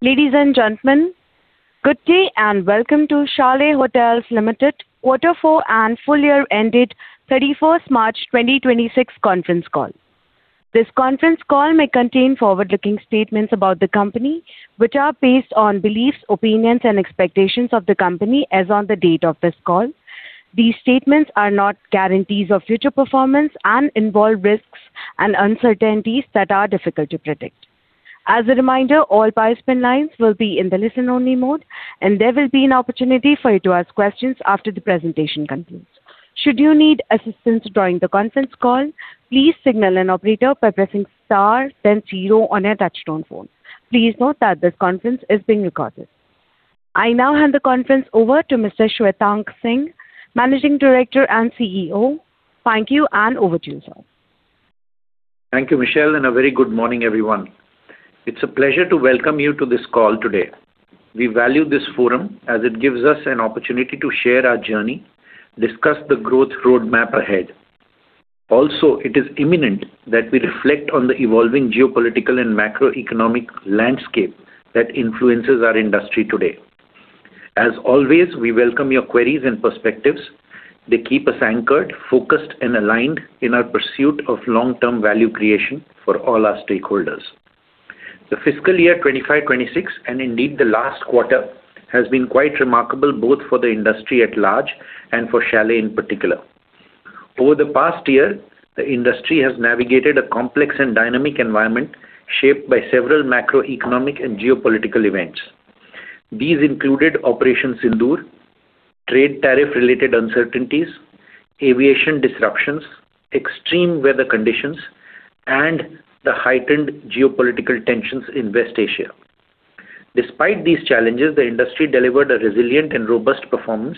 Ladies and gentlemen, good day and welcome to Chalet Hotels Limited quarter four and full year ended 31st March 2026 conference call. This conference call may contain forward-looking statements about the company, which are based on beliefs, opinions, and expectations of the company as on the date of this call. These statements are not guarantees of future performance and involve risks and uncertainties that are difficult to predict. As a reminder, all participant lines will be in the listen-only mode, and there will be an opportunity for you to ask questions after the presentation concludes. Please note that this conference is being recorded. I now hand the conference over to Mr. Shwetank Singh, Managing Director and CEO. Thank you. Over to you, sir. Thank you, Michelle, and a very good morning, everyone. It's a pleasure to welcome you to this call today. We value this forum as it gives us an opportunity to share our journey, discuss the growth roadmap ahead. It is imminent that we reflect on the evolving geopolitical and macroeconomic landscape that influences our industry today. As always, we welcome your queries and perspectives. They keep us anchored, focused, and aligned in our pursuit of long-term value creation for all our stakeholders. The fiscal year 2025, 2026, and indeed the last quarter, has been quite remarkable both for the industry at large and for Chalet in particular. Over the past year, the industry has navigated a complex and dynamic environment shaped by several macroeconomic and geopolitical events. These included Operation Sindoor, trade tariff-related uncertainties, aviation disruptions, extreme weather conditions, and the heightened geopolitical tensions in West Asia. Despite these challenges, the industry delivered a resilient and robust performance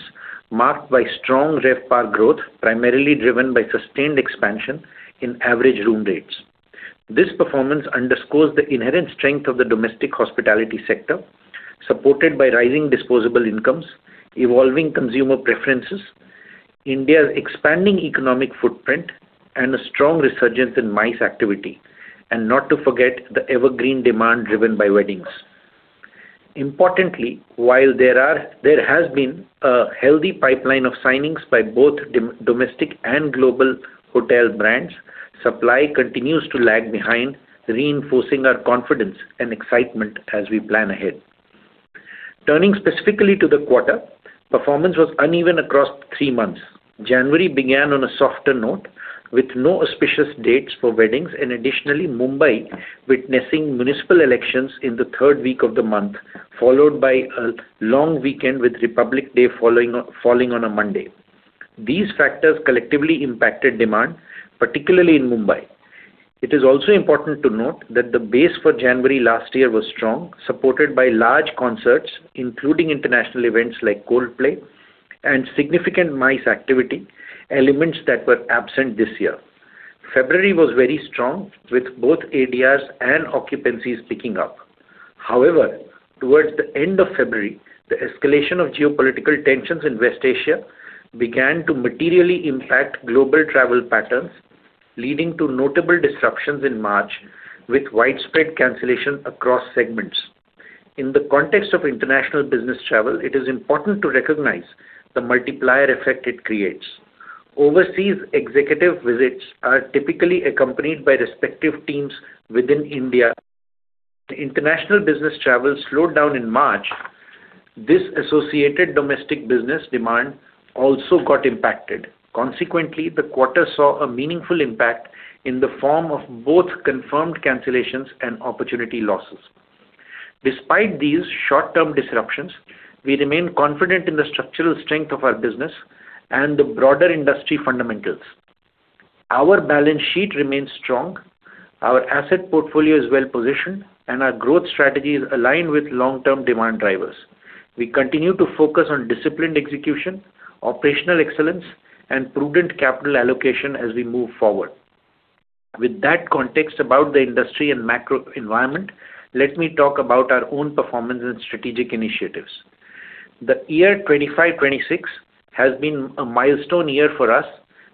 marked by strong RevPAR growth, primarily driven by sustained expansion in average room rates. This performance underscores the inherent strength of the domestic hospitality sector, supported by rising disposable incomes, evolving consumer preferences, India's expanding economic footprint, and a strong resurgence in MICE activity, and not to forget the evergreen demand driven by weddings. Importantly, while there has been a healthy pipeline of signings by both domestic and global hotel brands, supply continues to lag behind, reinforcing our confidence and excitement as we plan ahead. Turning specifically to the quarter, performance was uneven across three months. January began on a softer note with no auspicious dates for weddings, and additionally, Mumbai witnessing municipal elections in the third week of the month, followed by a long weekend with Republic Day falling on a Monday. These factors collectively impacted demand, particularly in Mumbai. It is also important to note that the base for January last year was strong, supported by large concerts, including international events like Coldplay and significant MICE activity, elements that were absent this year. February was very strong, with both ADRs and occupancies picking up. However, towards the end of February, the escalation of geopolitical tensions in West Asia began to materially impact global travel patterns, leading to notable disruptions in March, with widespread cancellation across segments. In the context of international business travel, it is important to recognize the multiplier effect it creates. Overseas executive visits are typically accompanied by respective teams within India. The international business travel slowed down in March. This associated domestic business demand also got impacted. Consequently, the quarter saw a meaningful impact in the form of both confirmed cancellations and opportunity losses. Despite these short-term disruptions, we remain confident in the structural strength of our business and the broader industry fundamentals. Our balance sheet remains strong, our asset portfolio is well-positioned, and our growth strategy is aligned with long-term demand drivers. We continue to focus on disciplined execution, operational excellence, and prudent capital allocation as we move forward. With that context about the industry and macro environment, let me talk about our own performance and strategic initiatives. The year 2025, 2026 has been a milestone year for us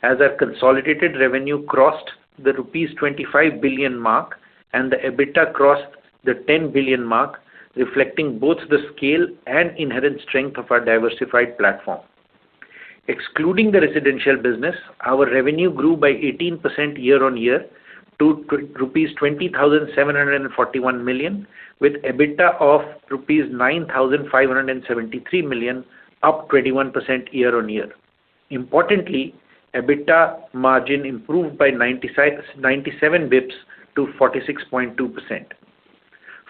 as our consolidated revenue crossed the rupees 25 billion mark and the EBITDA crossed the 10 billion mark, reflecting both the scale and inherent strength of our diversified platform. Excluding the residential business, our revenue grew by 18% year-on-year to rupees 20,741 million, with EBITDA of rupees 9,573 million, up 21% year-on-year. Importantly, EBITDA margin improved by 97 basis points to 46.2%.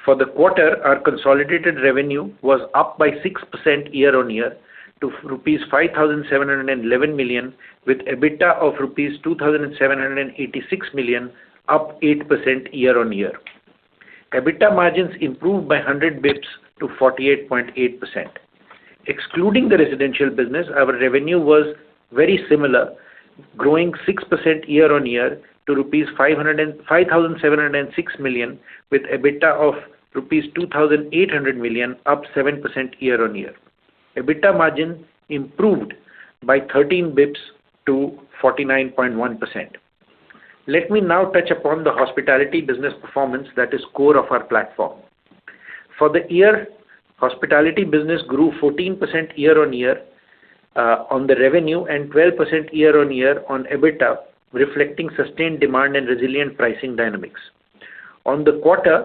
For the quarter, our consolidated revenue was up by 6% year-on-year to rupees 5,711 million, with EBITDA of rupees 2,786 million, up 8% year-on-year. EBITDA margins improved by 100 basis points to 48.8%. Excluding the residential business, our revenue was very similar, growing 6% year-on-year to rupees 5,706 million, with EBITDA of rupees 2,800 million, up 7% year-on-year. EBITDA margin improved by 13 basis points to 49.1%. Let me now touch upon the hospitality business performance that is core of our platform. For the year, hospitality business grew 14% year-on-year on the revenue and 12% year-on-year on EBITDA, reflecting sustained demand and resilient pricing dynamics. On the quarter,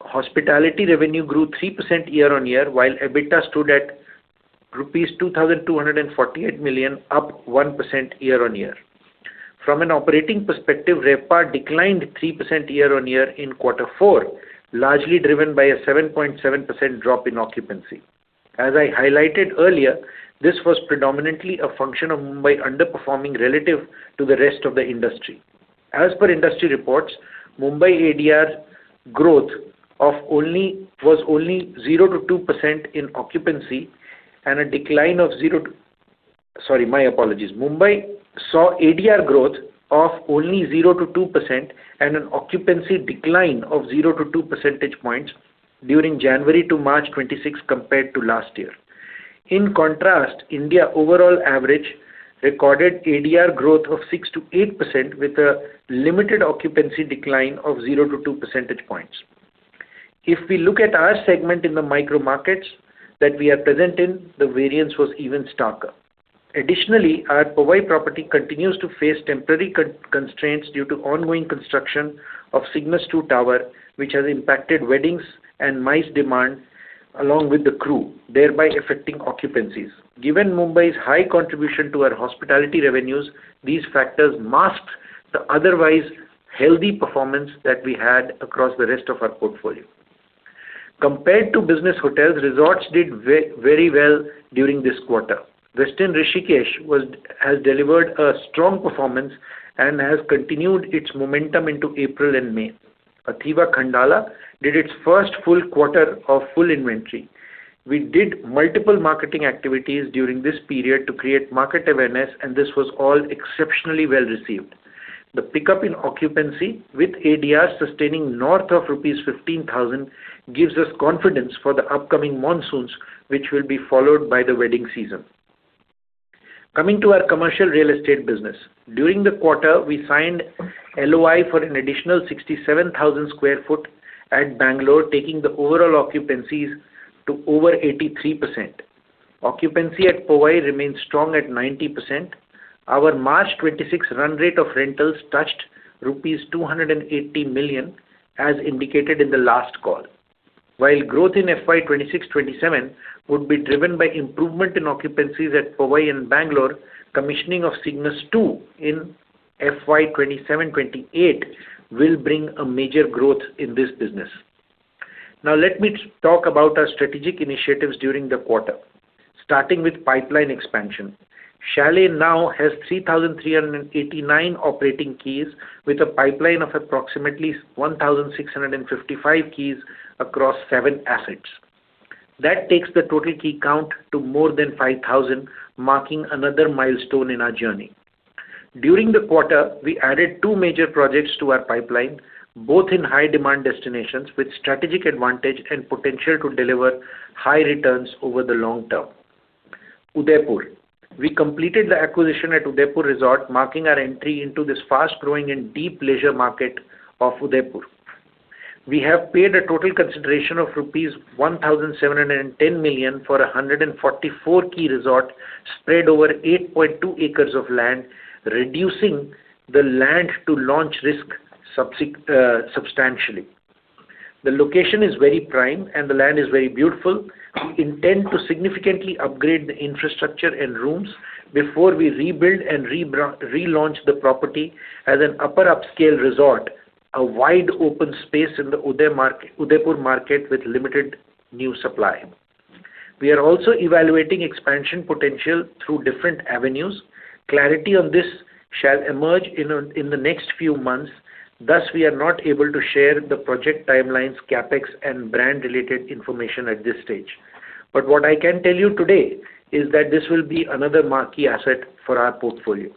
hospitality revenue grew 3% year-on-year, while EBITDA stood at rupees 2,248 million, up 1% year-on-year. From an operating perspective, RevPAR declined 3% year-on-year in quarter four, largely driven by a 7.7% drop in occupancy. As I highlighted earlier, this was predominantly a function of Mumbai underperforming relative to the rest of the industry. As per industry reports, Mumbai ADR growth was only 0%-2% in occupancy. Sorry, my apologies. Mumbai saw ADR growth of only 0%-2% and an occupancy decline of 0 percentage points to 2 percentage points during January to March 2026 compared to last year. In contrast, India overall average recorded ADR growth of 6%-8% with a limited occupancy decline of 0 percentage points to 2 percentage points. If we look at our segment in the micro markets that we are present in, the variance was even starker. Additionally, our Powai property continues to face temporary constraints due to ongoing construction of Cignus II Tower, which has impacted weddings and MICE demand along with the crew, thereby affecting occupancies. Given Mumbai's high contribution to our hospitality revenues, these factors masked the otherwise healthy performance that we had across the rest of our portfolio. Compared to business hotels, resorts did very well during this quarter. Westin Rishikesh has delivered a strong performance and has continued its momentum into April and May. Athiva Khandala did its first full quarter of full inventory. We did multiple marketing activities during this period to create market awareness, and this was all exceptionally well-received. The pickup in occupancy with ADR sustaining north of rupees 15,000 gives us confidence for the upcoming monsoons, which will be followed by the wedding season. Coming to our commercial real estate business. During the quarter, we signed LOI for an additional 67,000 sq ft at Bangalore, taking the overall occupancies to over 83%. Occupancy at Powai remains strong at 90%. Our March 26 run rate of rentals touched rupees 280 million, as indicated in the last call. While growth in FY 2026/2027 would be driven by improvement in occupancies at Powai and Bangalore, commissioning of Cignus II in FY 2027/2028 will bring a major growth in this business. Let me talk about our strategic initiatives during the quarter, starting with pipeline expansion. Chalet now has 3,389 operating keys with a pipeline of approximately 1,655 keys across seven assets. That takes the total key count to more than 5,000, marking another milestone in our journey. During the quarter, we added two major projects to our pipeline, both in high-demand destinations with strategic advantage and potential to deliver high returns over the long term. Udaipur. We completed the acquisition at Udaipur Resort, marking our entry into this fast-growing and deep leisure market of Udaipur. We have paid a total consideration of rupees 1,710 million for a 144 key resort spread over 8.2 acres of land, reducing the land-to-launch risk substantially. The location is very prime, and the land is very beautiful. We intend to significantly upgrade the infrastructure and rooms before we rebuild and relaunch the property as an upper upscale resort, a wide-open space in the Udaipur market with limited new supply. We are also evaluating expansion potential through different avenues. Clarity on this shall emerge in the next few months. We are not able to share the project timelines, CapEx, and brand-related information at this stage. What I can tell you today is that this will be another marquee asset for our portfolio.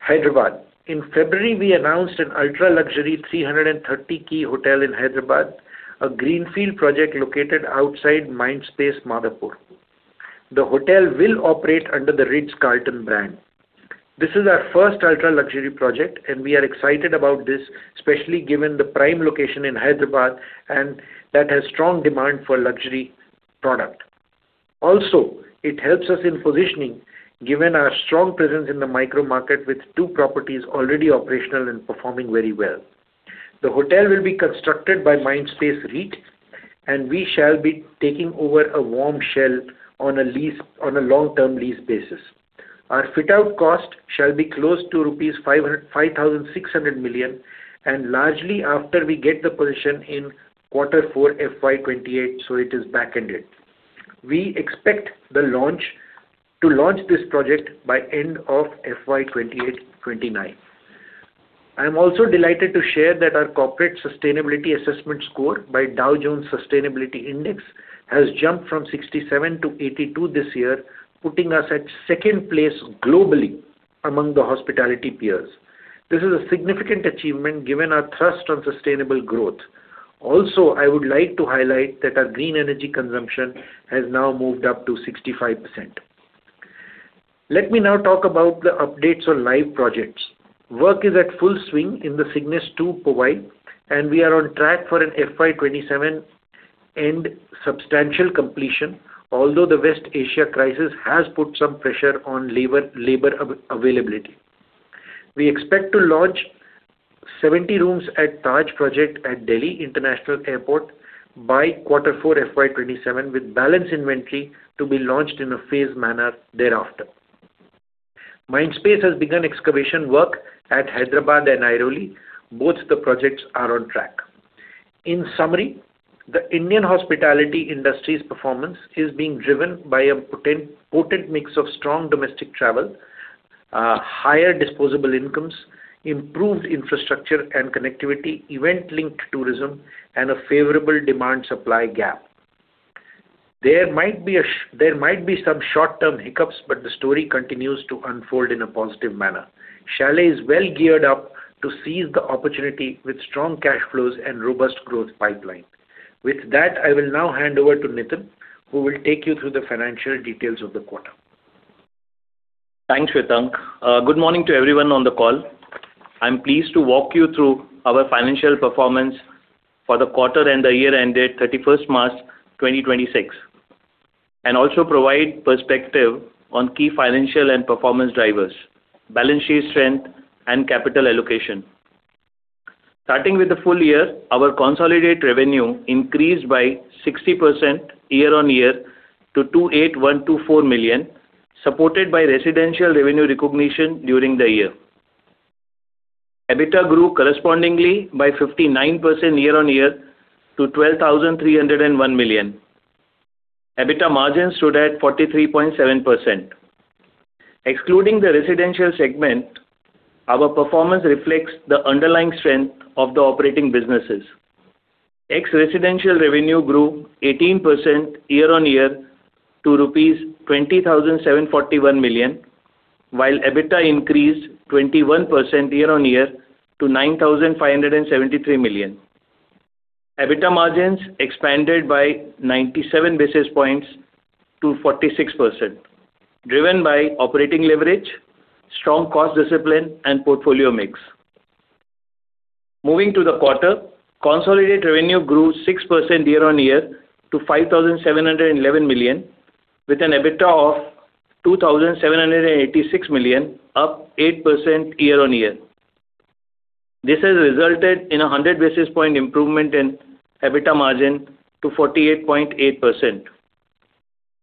Hyderabad. In February, we announced an ultra-luxury 330 key hotel in Hyderabad, a greenfield project located outside Mindspace Madhapur. The hotel will operate under the Ritz-Carlton brand. We are excited about this, especially given the prime location in Hyderabad and that has strong demand for luxury product. It helps us in positioning given our strong presence in the micro market with two properties already operational and performing very well. The hotel will be constructed by Mindspace REIT. We shall be taking over a warm shell on a long-term lease basis. Our fit-out cost shall be close to rupees 5,600 million, largely after we get the possession in quarter four FY 2028. It is backended. We expect to launch this project by end of FY 2028/2029. I am also delighted to share that our corporate sustainability assessment score by Dow Jones Sustainability Index has jumped from 67 to 82 this year, putting us at second place globally among the hospitality peers. This is a significant achievement given our thrust on sustainable growth. I would like to highlight that our green energy consumption has now moved up to 65%. Let me now talk about the updates on live projects. Work is at full swing in the Cignus II Powai, and we are on track for an FY 2027 and substantial completion, although the West Asia crisis has put some pressure on labor availability. We expect to launch 70 rooms at Taj Project at Delhi International Airport by Q4 FY 2027, with balance inventory to be launched in a phased manner thereafter. Mindspace has begun excavation work at Hyderabad and Airoli. Both the projects are on track. In summary, the Indian hospitality industry's performance is being driven by a potent mix of strong domestic travel, higher disposable incomes, improved infrastructure and connectivity, event-linked tourism, and a favorable demand-supply gap. There might be some short-term hiccups. The story continues to unfold in a positive manner. Chalet is well geared up to seize the opportunity with strong cash flows and robust growth pipeline. With that, I will now hand over to Nitin, who will take you through the financial details of the quarter. Thanks, Shwetank. Good morning to everyone on the call. I'm pleased to walk you through our financial performance for the quarter and the year-ended March 31st, 2026, and also provide perspective on key financial and performance drivers, balance sheet strength, and capital allocation. Starting with the full year, our consolidated revenue increased by 60% year-on-year to 28,124 million, supported by residential revenue recognition during the year. EBITDA grew correspondingly by 59% year-on-year to 12,301 million. EBITDA margin stood at 43.7%. Excluding the residential segment, our performance reflects the underlying strength of the operating businesses. Ex-residential revenue grew 18% year-on-year to rupees 20,741 million, while EBITDA increased 21% year-on-year to 9,573 million. EBITDA margins expanded by 97 basis points to 46%, driven by operating leverage, strong cost discipline, and portfolio mix. Moving to the quarter, consolidated revenue grew 6% year-on-year to 5,711 million, with an EBITDA of 2,786 million, up 8% year-on-year. This has resulted in a 100 basis point improvement in EBITDA margin to 48.8%.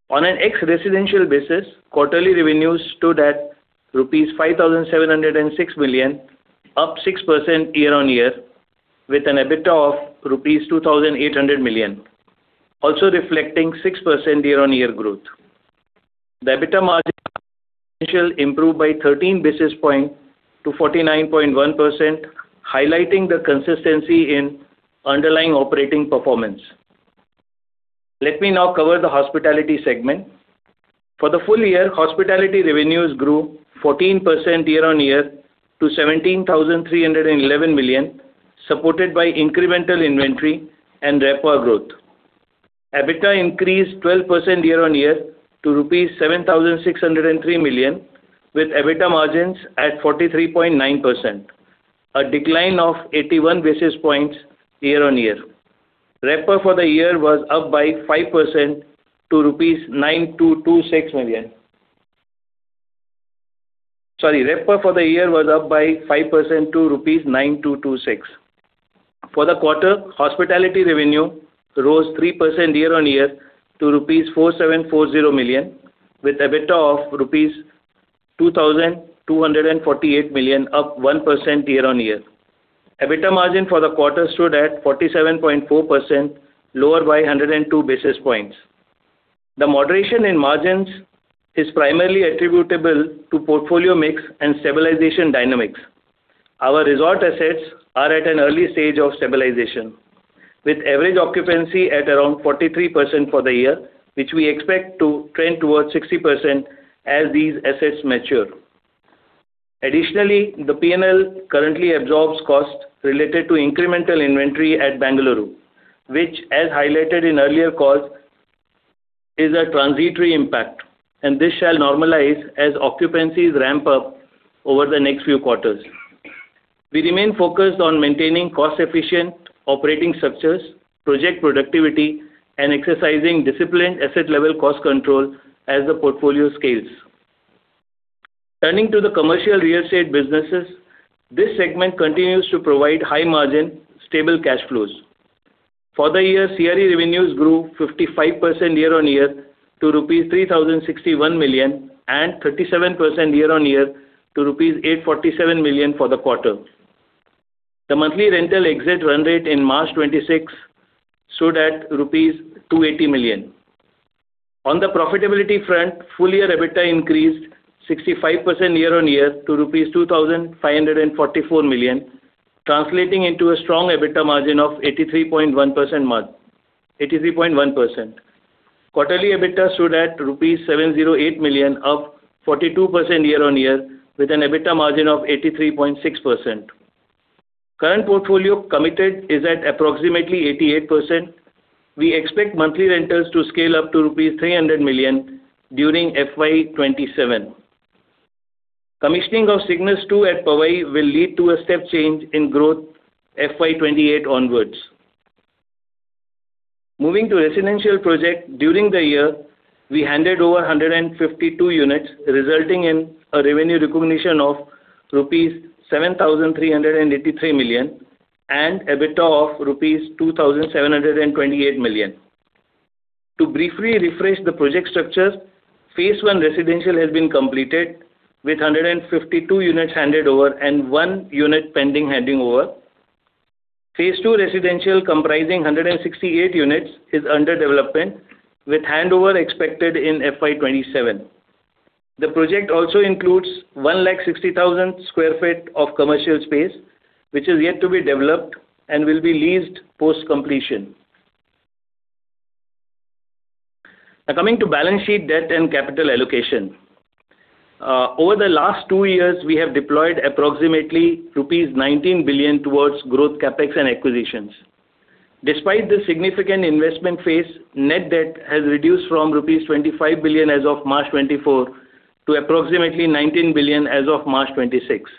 On an ex-residential basis, quarterly revenues stood at rupees 5,706 million, up 6% year-on-year, with an EBITDA of rupees 2,800 million, also reflecting 6% year-on-year growth. The EBITDA margin improved by 13 basis point to 49.1%, highlighting the consistency in underlying operating performance. Let me now cover the hospitality segment. For the full year, hospitality revenues grew 14% year-on-year to 17,311 million, supported by incremental inventory and RevPAR growth. EBITDA increased 12% year-on-year to rupees 7,603 million, with EBITDA margins at 43.9%, a decline of 81 basis points year-on-year. RevPAR for the year was up by 5% to INR 9,226 million. Sorry, RevPAR for the year was up by 5% to rupees 9,226. For the quarter, hospitality revenue rose 3% year-on-year to rupees 4,740 million, with EBITDA of rupees 2,248 million, up 1% year-on-year. EBITDA margin for the quarter stood at 47.4%, lower by 102 basis points. The moderation in margins is primarily attributable to portfolio mix and stabilization dynamics. Our resort assets are at an early stage of stabilization, with average occupancy at around 43% for the year, which we expect to trend towards 60% as these assets mature. The P&L currently absorbs costs related to incremental inventory at Bengaluru, which, as highlighted in earlier calls, is a transitory impact, and this shall normalize as occupancies ramp up over the next few quarters. We remain focused on maintaining cost-efficient operating structures, project productivity, and exercising disciplined asset-level cost control as the portfolio scales. Turning to the commercial real estate businesses, this segment continues to provide high margin, stable cash flows. For the year, CRE revenues grew 55% year-on-year to rupees 3,061 million, and 37% year-on-year to rupees 847 million for the quarter. The monthly rental exit run rate in March 2026 stood at rupees 280 million. On the profitability front, full year EBITDA increased 65% year-on-year to rupees 2,544 million, translating into a strong EBITDA margin of 83.1%. Quarterly EBITDA stood at rupees 708 million, up 42% year-on-year, with an EBITDA margin of 83.6%. Current portfolio committed is at approximately 88%. We expect monthly rentals to scale up to rupees 300 million during FY 2027. Commissioning of Cignus II at Powai will lead to a step change in growth FY 2028 onwards. Moving to residential project. During the year, we handed over 152 units, resulting in a revenue recognition of rupees 7,383 million and EBITDA of rupees 2,728 million. To briefly refresh the project structure, phase 1 residential has been completed with 152 units handed over and one unit pending handing over. Phase 2 residential, comprising 168 units, is under development with handover expected in FY 2027. The project also includes 160,000 sq ft of commercial space, which is yet to be developed and will be leased post-completion. Coming to balance sheet debt and capital allocation. Over the last two years, we have deployed approximately rupees 19 billion towards growth CapEx and acquisitions. Despite the significant investment phase, net debt has reduced from rupees 25 billion as of March 2024 to approximately 19 billion as of March 2026.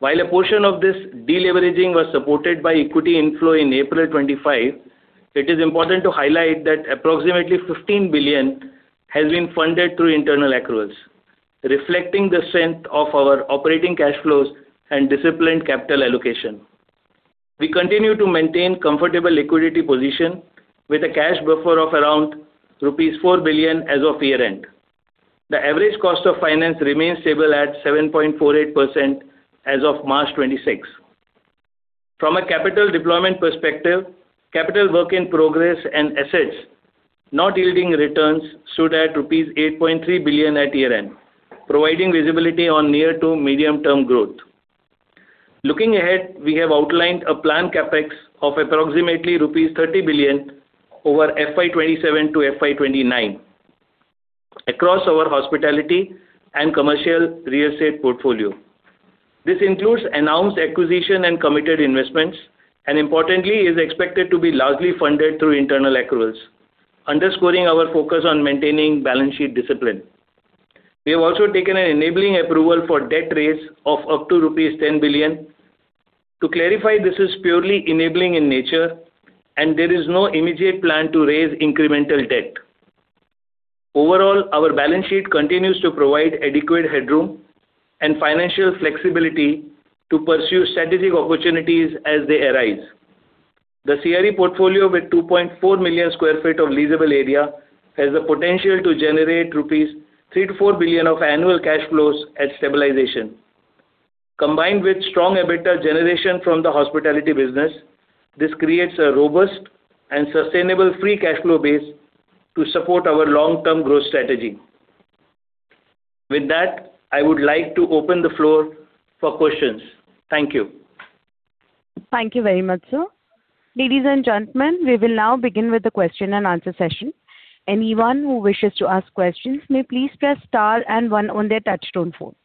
While a portion of this deleveraging was supported by equity inflow in April 25, it is important to highlight that approximately 15 billion has been funded through internal accruals, reflecting the strength of our operating cash flows and disciplined capital allocation. We continue to maintain comfortable liquidity position with a cash buffer of around rupees 4 billion as of year-end. The average cost of finance remains stable at 7.48% as of March 26. From a capital deployment perspective, Capital Work in Progress and assets not yielding returns stood at rupees 8.3 billion at year-end, providing visibility on near to medium-term growth. Looking ahead, we have outlined a planned CapEx of approximately rupees 30 billion over FY 2027 to FY 2029 across our hospitality and commercial real estate portfolio. This includes announced acquisition and committed investments, and importantly, is expected to be largely funded through internal accruals, underscoring our focus on maintaining balance sheet discipline. We have also taken an enabling approval for debt raise of up to rupees 10 billion. To clarify, this is purely enabling in nature, and there is no immediate plan to raise incremental debt. Overall, our balance sheet continues to provide adequate headroom and financial flexibility to pursue strategic opportunities as they arise. The CRE portfolio, with 2.4 million square feet of leasable area, has the potential to generate rupees 3 billion to 4 billion of annual cash flows at stabilization. Combined with strong EBITDA generation from the hospitality business, this creates a robust and sustainable free cash flow base to support our long-term growth strategy. With that, I would like to open the floor for questions. Thank you. Thank you very much, sir. Ladies and gentlemen, we will now begin with the question-and-answer session. Anyone who wishes to ask questions may please press star one on their touchtone phone.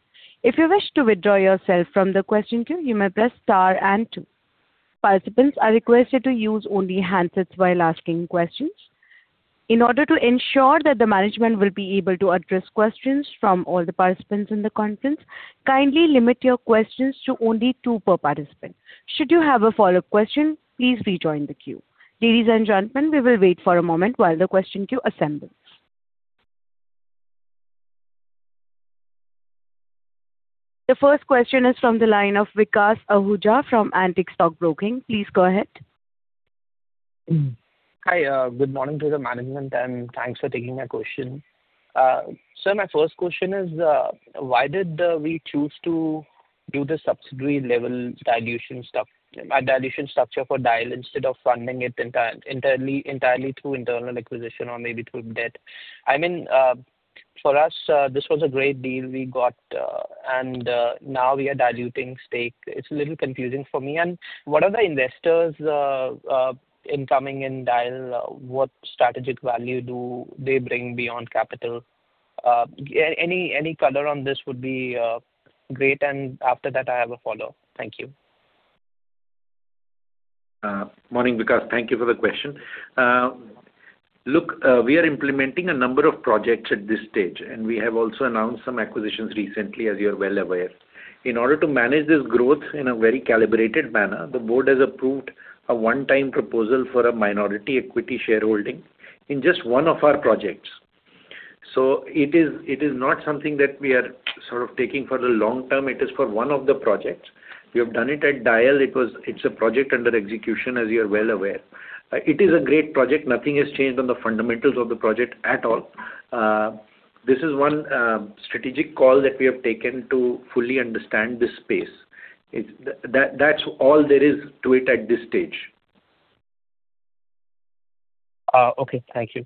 If you wish to withdraw yourself from the question queue, you may press star two. Participants are requested to use only handsets while asking questions. In order to ensure that the management will be able to address questions from all the participants in the conference, kindly limit your questions to only two per participant. Should you have a follow-up question, please rejoin the queue. Ladies and gentlemen, we will wait for a moment while the question queue assembles. The first question is from the line of Vikas Ahuja from Antique Stock Broking. Please go ahead. Hi. Good morning to the management, and thanks for taking my question. Sir, my first question is, why did we choose to do the subsidiary level dilution structure for DIAL instead of funding it entirely through internal acquisition or maybe through debt? I mean, for us, this was a great deal we got, and now we are diluting stake. It's a little confusing for me. What are the investors coming in DIAL? What strategic value do they bring beyond capital? Any color on this would be great. After that, I have a follow. Thank you. Morning, Vikas. Thank you for the question. We are implementing a number of projects at this stage, and we have also announced some acquisitions recently, as you're well aware. In order to manage this growth in a very calibrated manner, the board has approved a one-time proposal for a minority equity shareholding in just one of our projects. It is not something that we are sort of taking for the long term. It is for one of the projects. We have done it at DIAL. It's a project under execution, as you're well aware. It is a great project. Nothing has changed on the fundamentals of the project at all. This is one strategic call that we have taken to fully understand this space. That's all there is to it at this stage. Okay. Thank you.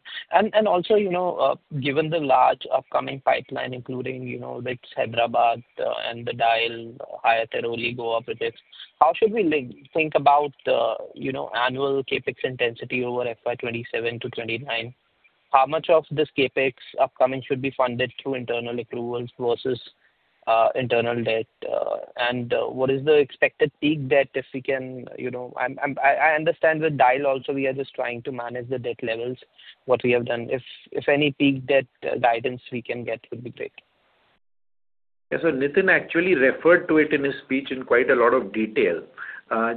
Also, you know, given the large upcoming pipeline, including, you know, with Hyderabad, and the DIAL Hyatt Aerocity, how should we think about, you know, annual CapEx intensity over FY 2027 to 2029? How much of this CapEx upcoming should be funded through internal accruals versus internal debt, and what is the expected peak debt if we can You know, I understand the DIAL also we are just trying to manage the debt levels, what we have done. If any peak debt guidance we can get would be great. Yeah. Nitin actually referred to it in his speech in quite a lot of detail.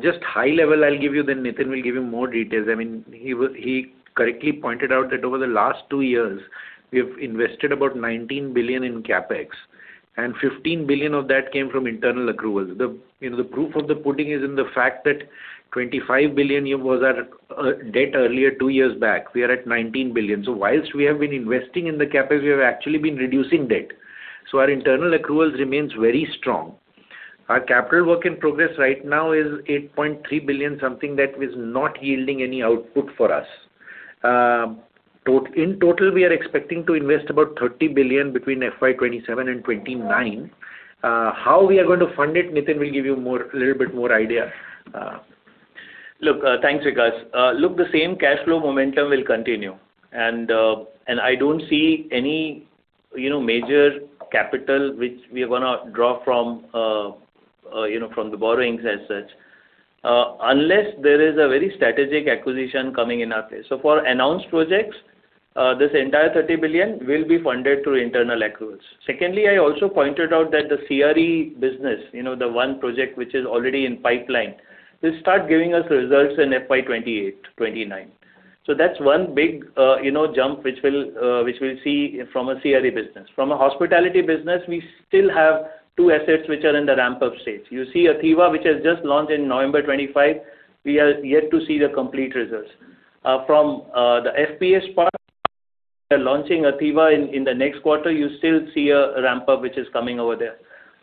Just high level I'll give you, then Nitin will give you more details. I mean, he correctly pointed out that over the last two years we have invested about 19 billion in CapEx, and 15 billion of that came from internal accruals. The, you know, the proof of the pudding is in the fact that 25 billion was our debt earlier two years back. We are at 19 billion. Whilst we have been investing in the CapEx, we have actually been reducing debt. Our internal accruals remains very strong. Our Capital Work in Progress right now is 8.3 billion, something that is not yielding any output for us. In total, we are expecting to invest about 30 billion between FY 2027 and 2029. How we are going to fund it, Nitin will give you more, little bit more idea. Look, thanks, Vikas. Look, the same cash flow momentum will continue and I don't see any, you know, major capital which we're gonna draw from, you know, from the borrowings as such, unless there is a very strategic acquisition coming in our place. For announced projects, this entire 30 billion will be funded through internal accruals. Secondly, I also pointed out that the CRE business, you know, the one project which is already in pipeline, will start giving us results in FY 2028, 2029. That's one big, you know, jump which will, which we'll see from a CRE business. From a hospitality business, we still have two assets which are in the ramp-up stage. You see Athiva, which has just launched in November 25, we are yet to see the complete results. From the FPS part, we are launching Athiva in the next quarter. You still see a ramp-up which is coming over there.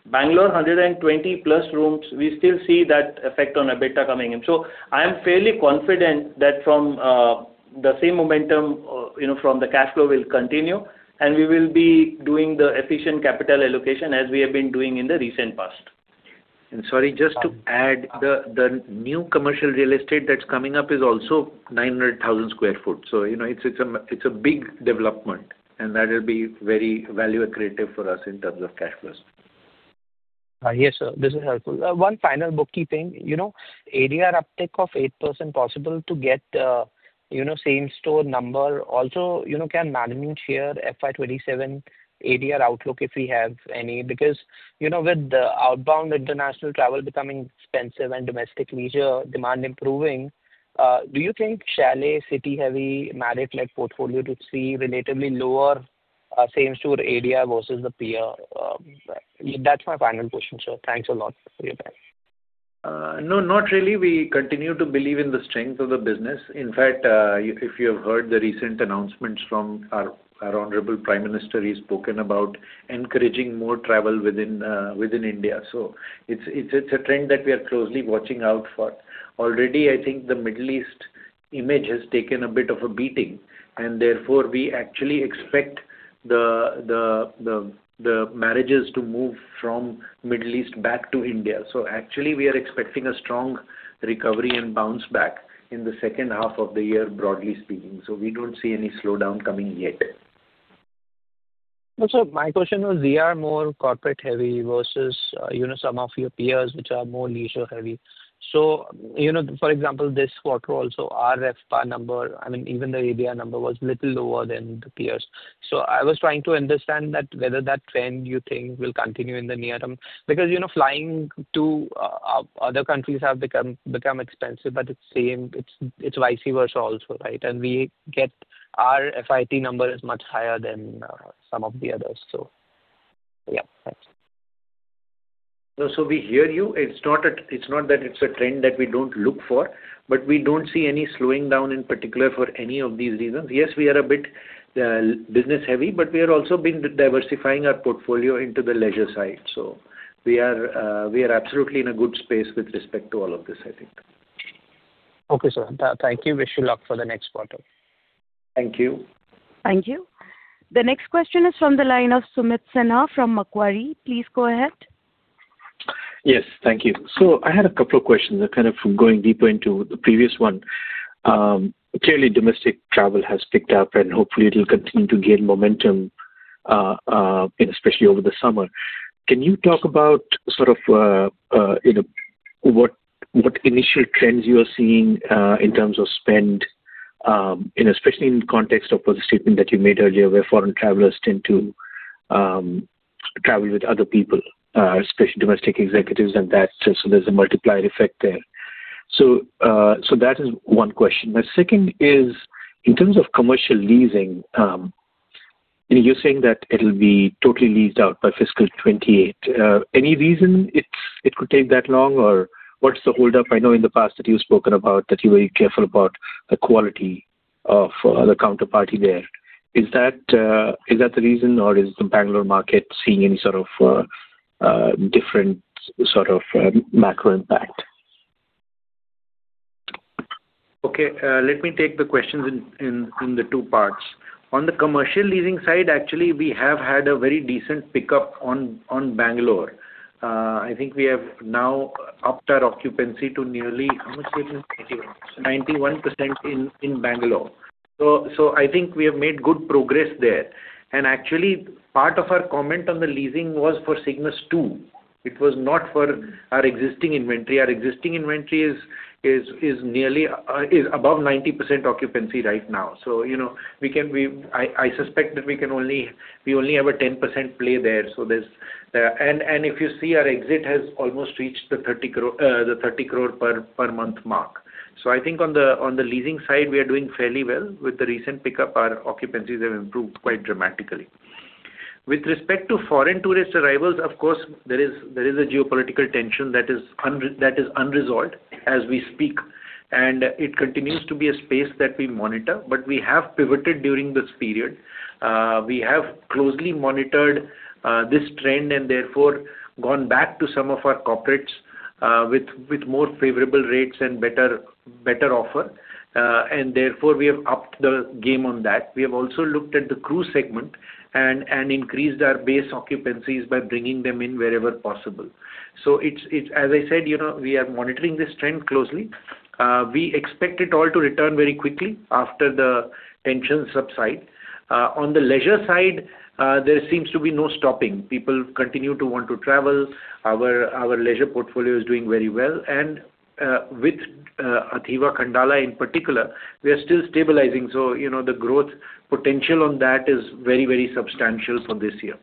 Bangalore, 120+ rooms, we still see that effect on EBITDA coming in. I am fairly confident that from the same momentum, you know, from the cash flow will continue and we will be doing the efficient capital allocation as we have been doing in the recent past. Sorry, just to add, the new commercial real estate that's coming up is also 900,000 sq ft. You know, it's a big development, and that'll be very value accretive for us in terms of cash flows. Yes, sir. This is helpful. One final bookkeeping. You know, ADR uptick of 8% possible to get, you know, same store number. Also, you know, can management share FY 2027 ADR outlook if we have any? Because, you know, with the outbound international travel becoming expensive and domestic leisure demand improving, do you think Chalet City-heavy Marriott-led portfolio could see relatively lower, same store ADR versus the peer? That's my final question, sir. Thanks a lot for your time. No, not really. We continue to believe in the strength of the business. In fact, if you have heard the recent announcements from our honorable Prime Minister, he's spoken about encouraging more travel within India. It's a trend that we are closely watching out for. Already, I think the Middle East image has taken a bit of a beating, and therefore we actually expect the marriages to move from Middle East back to India. Actually we are expecting a strong recovery and bounce back in the second half of the year, broadly speaking. We don't see any slowdown coming yet. My question was we are more corporate-heavy versus, you know, some of your peers which are more leisure-heavy. For example, this quarter also our RevPAR number, I mean, even the ADR number was little lower than the peers. I was trying to understand that whether that trend you think will continue in the near term. Flying to other countries have become expensive, but it's same, it's vice versa also, right? We get our FIT number is much higher than some of the others. Thanks. No. We hear you. It's not that it's a trend that we don't look for, but we don't see any slowing down in particular for any of these reasons. Yes, we are a bit business-heavy, but we are also been diversifying our portfolio into the leisure side. We are absolutely in a good space with respect to all of this, I think. Okay, sir. Thank you. Wish you luck for the next quarter. Thank you. Thank you. The next question is from the line of Sumit Sinha from Macquarie. Please go ahead. Yes. Thank you. I had a couple of questions, kind of going deeper into the previous one. Clearly domestic travel has picked up, and hopefully it'll continue to gain momentum, you know, especially over the summer. Can you talk about sort of, you know, what initial trends you are seeing in terms of spend, you know, especially in the context of the statement that you made earlier, where foreign travelers tend to travel with other people, especially domestic executives and that, there's a multiplier effect there. That is one question. My second is: In terms of commercial leasing, you're saying that it'll be totally leased out by fiscal 2028. Any reason it could take that long, or what's the hold up? I know in the past that you've spoken about that you were careful about the quality of the counterparty there. Is that, is that the reason, or is the Bangalore market seeing any sort of, different sort of, macro impact? Okay. Let me take the questions in the two parts. On the commercial leasing side, actually we have had a very decent pickup on Bangalore. I think we have now upped our occupancy to nearly, how much it is? 91%. 91% in Bangalore. I think we have made good progress there. Actually, part of our comment on the leasing was for Cignus II. It was not for our existing inventory. Our existing inventory is nearly above 90% occupancy right now. You know, I suspect that we only have a 10% play there. If you see our exit has almost reached the 30 crore per month mark. I think on the leasing side, we are doing fairly well. With the recent pickup, our occupancies have improved quite dramatically. With respect to foreign tourist arrivals, of course, there is a geopolitical tension that is unresolved as we speak, and it continues to be a space that we monitor. We have pivoted during this period. We have closely monitored this trend and therefore gone back to some of our corporates with more favorable rates and better offer. Therefore we have upped the game on that. We have also looked at the cruise segment and increased our base occupancies by bringing them in wherever possible. As I said, you know, we are monitoring this trend closely. We expect it all to return very quickly after the tensions subside. On the leisure side, there seems to be no stopping. People continue to want to travel. Our leisure portfolio is doing very well. With Athiva Khandala in particular, we are still stabilizing. You know, the growth potential on that is very, very substantial for this year.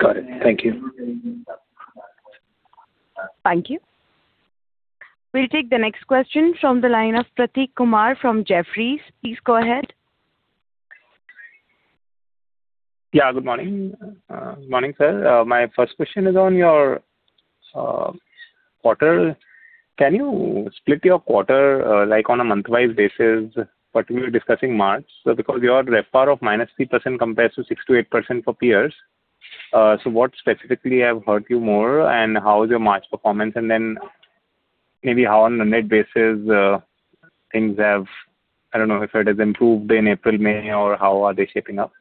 Got it. Thank you. Thank you. We'll take the next question from the line of Prateek Kumar from Jefferies. Please go ahead. Yeah, good morning. Morning, sir. My first question is on your quarter. Can you split your quarter like on a month-wise basis? We were discussing March because your RevPAR of minus 3% compared to 6% to 8% for peers. What specifically have hurt you more, and how is your March performance? Then maybe how on a net basis, I don't know if it has improved in April, May, or how are they shaping up?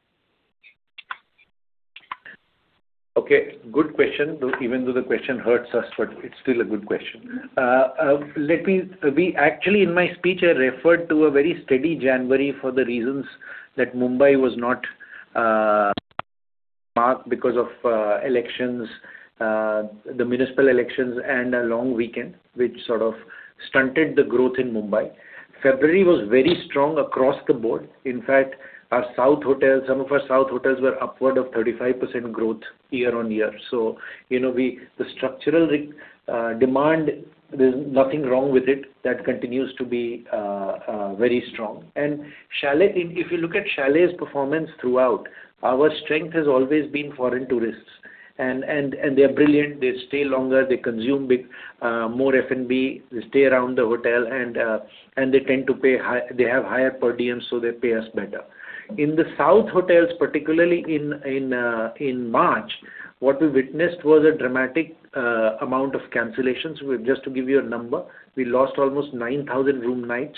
Okay, good question. Though even though the question hurts us, it's still a good question. Actually, in my speech, I referred to a very steady January for the reasons that Mumbai was not marked because of elections, the municipal elections and a long weekend, which sort of stunted the growth in Mumbai. February was very strong across the board. In fact, our south hotels, some of our south hotels were upward of 35% growth year-on-year. You know, we, the structural demand, there's nothing wrong with it. That continues to be very strong. Chalet, if you look at Chalet's performance throughout, our strength has always been foreign tourists. They're brilliant. They stay longer. They consume big, more F&B. They stay around the hotel, and they tend to pay; they have higher per diems, so they pay us better. In the south hotels, particularly in March, what we witnessed was a dramatic amount of cancellations. Just to give you a number, we lost almost 9,000 room nights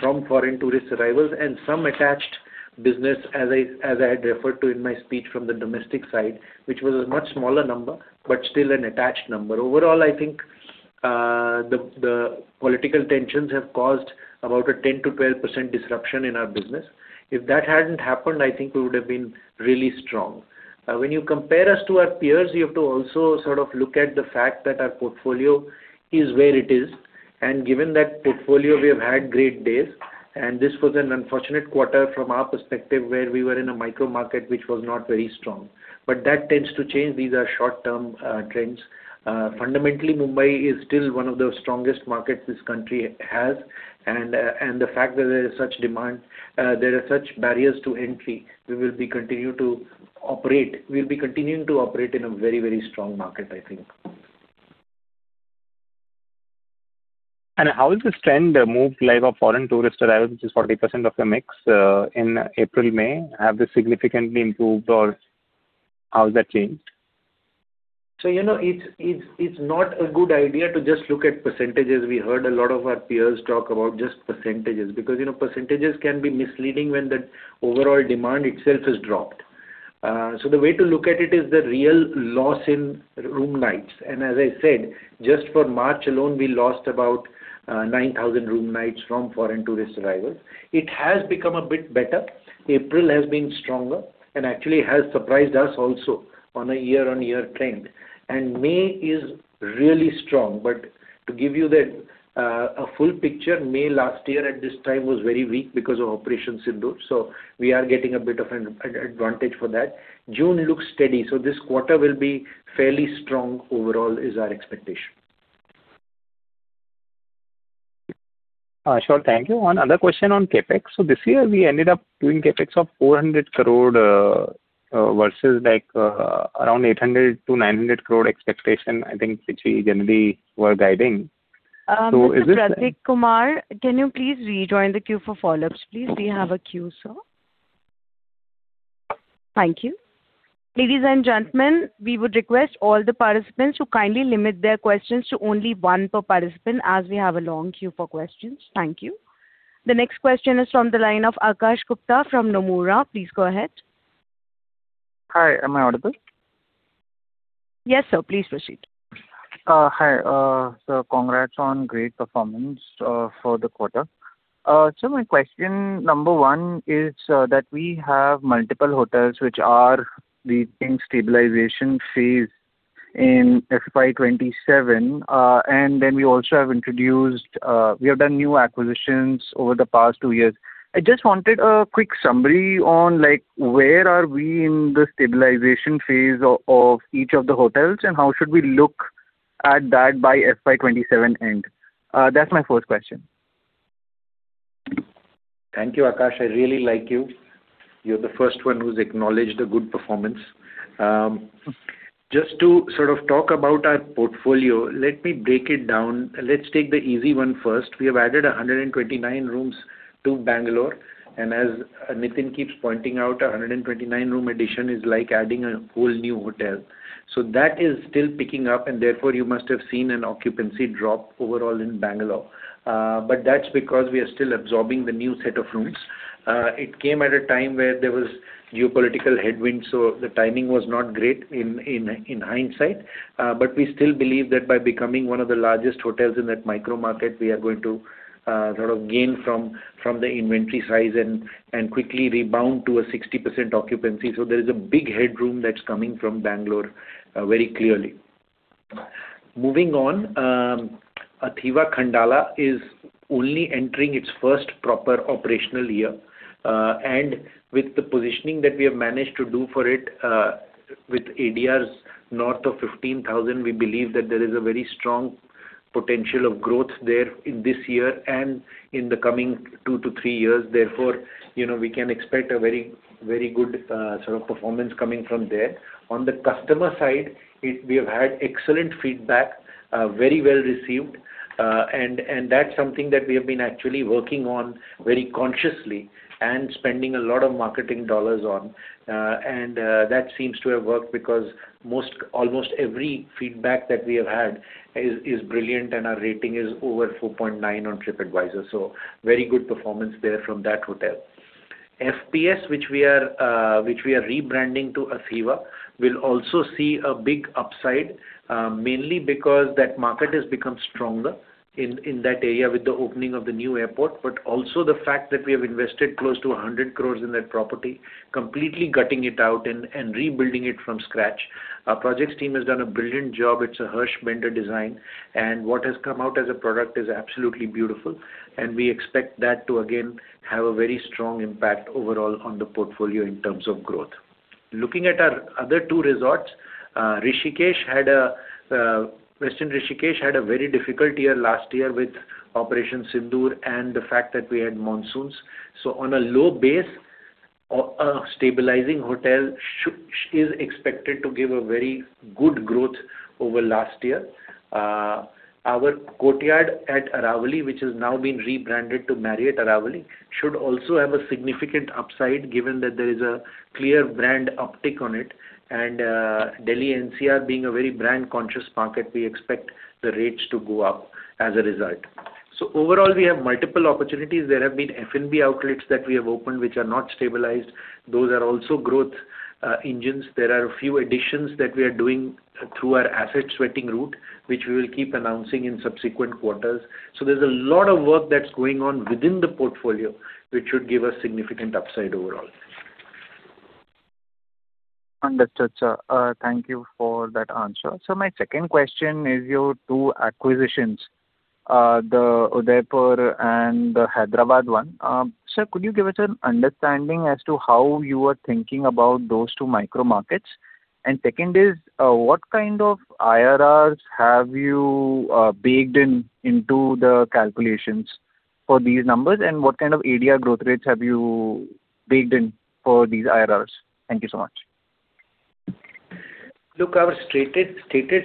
from foreign tourist arrivals and some attached business, as I had referred to in my speech from the domestic side, which was a much smaller number, but still an attached number. Overall, I think the political tensions have caused about a 10%-12% disruption in our business. If that hadn't happened, I think we would have been really strong. When you compare us to our peers, you have to also sort of look at the fact that our portfolio is where it is. Given that portfolio, we have had great days. This was an unfortunate quarter from our perspective, where we were in a micro market which was not very strong. That tends to change. These are short-term trends. Fundamentally, Mumbai is still one of the strongest markets this country has. The fact that there is such demand, there are such barriers to entry, we'll be continuing to operate in a very, very strong market, I think. How is this trend move like of foreign tourist arrival, which is 40% of the mix, in April, May? Have they significantly improved or how has that changed? You know, it's not a good idea to just look at percentages. We heard a lot of our peers talk about just percentages because, you know, percentages can be misleading when the overall demand itself has dropped. The way to look at it is the real loss in room nights. As I said, just for March alone, we lost about 9,000 room nights from foreign tourist arrivals. It has become a bit better. April has been stronger and actually has surprised us also on a year-on-year trend. May is really strong. To give you the a full picture, May last year at this time was very weak because of Operation Sindoor, we are getting a bit of an advantage for that. June looks steady, this quarter will be fairly strong overall is our expectation. Sure. Thank you. One other question on CapEx. This year we ended up doing CapEx of 400 crore versus like around 800 crore to 900 crore expectation, I think, which we generally were guiding. Is this- Mr. Prateek Kumar, can you please rejoin the queue for follow-ups, please? We have a queue, sir. Thank you. Ladies and gentlemen, we would request all the participants to kindly limit their questions to only one per participant, as we have a long queue for questions. Thank you. The next question is from the line of Akash Gupta from Nomura. Please go ahead. Hi. Am I audible? Yes, sir. Please proceed. Hi. Congrats on great performance for the quarter. My question number one is that we have multiple hotels which are reaching stabilization phase in FY 2027, and then we also have introduced, we have done new acquisitions over the past two years. I just wanted a quick summary on, like, where are we in the stabilization phase of each of the hotels, and how should we look at that by FY 2027 end? That's my first question. Thank you, Akash. I really like you. You're the first one who's acknowledged the good performance. Just to sort of talk about our portfolio, let me break it down. Let's take the easy one first. We have added 129 rooms to Bangalore, and as Nitin keeps pointing out, a 129 room addition is like adding a whole new hotel. That is still picking up, and therefore you must have seen an occupancy drop overall in Bangalore. But that's because we are still absorbing the new set of rooms. It came at a time where there was geopolitical headwinds. The timing was not great in hindsight. We still believe that by becoming one of the largest hotels in that micro market, we are going to sort of gain from the inventory size and quickly rebound to a 60% occupancy. There is a big headroom that's coming from Bangalore very clearly. Moving on, Athiva Khandala is only entering its first proper operational year. With the positioning that we have managed to do for it, with ADRs north of 15,000, we believe that there is a very strong potential of growth there in this year and in the coming two to three years. You know, we can expect a very, very good sort of performance coming from there. On the customer side, we have had excellent feedback, very well received, and that's something that we have been actually working on very consciously and spending a lot of marketing dollars on. That seems to have worked because almost every feedback that we have had is brilliant, and our rating is over 4.9 on Tripadvisor. Very good performance there from that hotel. FPS, which we are rebranding to Athiva, will also see a big upside, mainly because that market has become stronger in that area with the opening of the new airport. Also the fact that we have invested close to 100 crores in that property, completely gutting it out and rebuilding it from scratch. Our projects team has done a brilliant job. It's a Hirsch Bedner design, and what has come out as a product is absolutely beautiful, and we expect that to again have a very strong impact overall on the portfolio in terms of growth. Looking at our other two resorts, Rishikesh had a Westin Rishikesh had a very difficult year last year with Operation Sindoor and the fact that we had monsoons. On a low base, a stabilizing hotel is expected to give a very good growth over last year. Our Courtyard at Aravali, which has now been rebranded to Marriott Aravali, should also have a significant upside given that there is a clear brand uptick on it. Delhi NCR being a very brand-conscious market, we expect the rates to go up as a result. Overall, we have multiple opportunities. There have been F&B outlets that we have opened which are not stabilized. Those are also growth engines. There are a few additions that we are doing through our asset sweating route, which we will keep announcing in subsequent quarters. There's a lot of work that's going on within the portfolio which should give us significant upside overall. Understood, sir. Thank you for that answer. My second question is your two acquisitions, the Udaipur and the Hyderabad one. Sir, could you give us an understanding as to how you are thinking about those twomicro markets? Second is, what kind of IRRs have you baked in into the calculations for these numbers? What kind of ADR growth rates have you baked in for these IRRs? Thank you so much. Look, our stated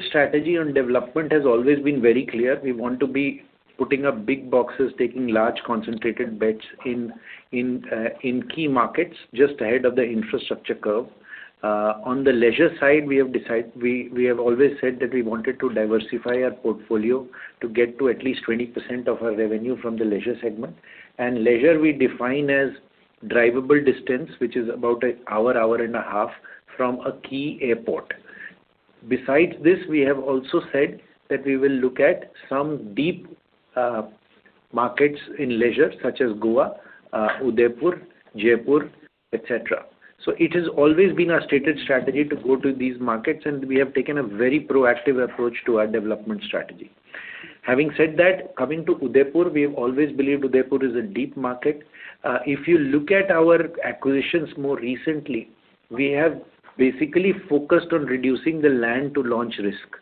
strategy on development has always been very clear. We want to be putting up big boxes, taking large concentrated bets in key markets just ahead of the infrastructure curve. On the leisure side, we have always said that we wanted to diversify our portfolio to get to at least 20% of our revenue from the leisure segment. Leisure we define as drivable distance, which is about an hour and a half from a key airport. Besides this, we have also said that we will look at some deep markets in leisure such as Goa, Udaipur, Jaipur, et cetera. It has always been our stated strategy to go to these markets, and we have taken a very proactive approach to our development strategy. Having said that, coming to Udaipur, we have always believed Udaipur is a deep market. If you look at our acquisitions more recently, we have basically focused on reducing the land to launch risk.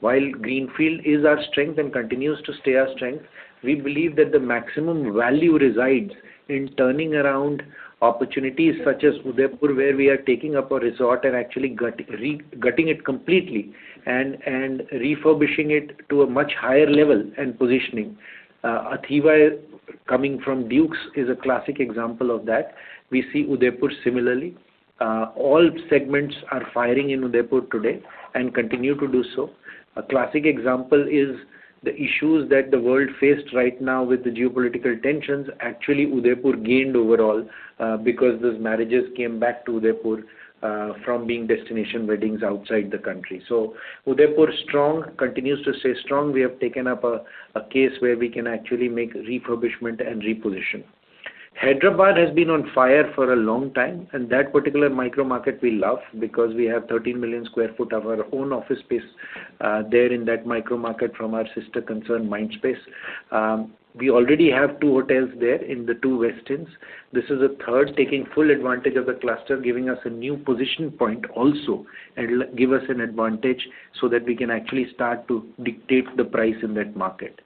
While greenfield is our strength and continues to stay our strength, we believe that the maximum value resides in turning around opportunities such as Udaipur, where we are taking up a resort and actually gutting it completely and refurbishing it to a much higher level and positioning. Athiva coming from Dukes is a classic example of that. We see Udaipur similarly. All segments are firing in Udaipur today and continue to do so. A classic example is the issues that the world faced right now with the geopolitical tensions, actually Udaipur gained overall because those marriages came back to Udaipur from being destination weddings outside the country. Udaipur strong, continues to stay strong. We have taken up a case where we can actually make refurbishment and reposition. Hyderabad has been on fire for a long time, and that particular micro market we love because we have 13 million square foot of our own office space there in that micro market from our sister concern Mindspace. We already have two hotels there in the two Westins. This is a third taking full advantage of the cluster, giving us a new position point also and give us an advantage so that we can actually start to dictate the price in that market.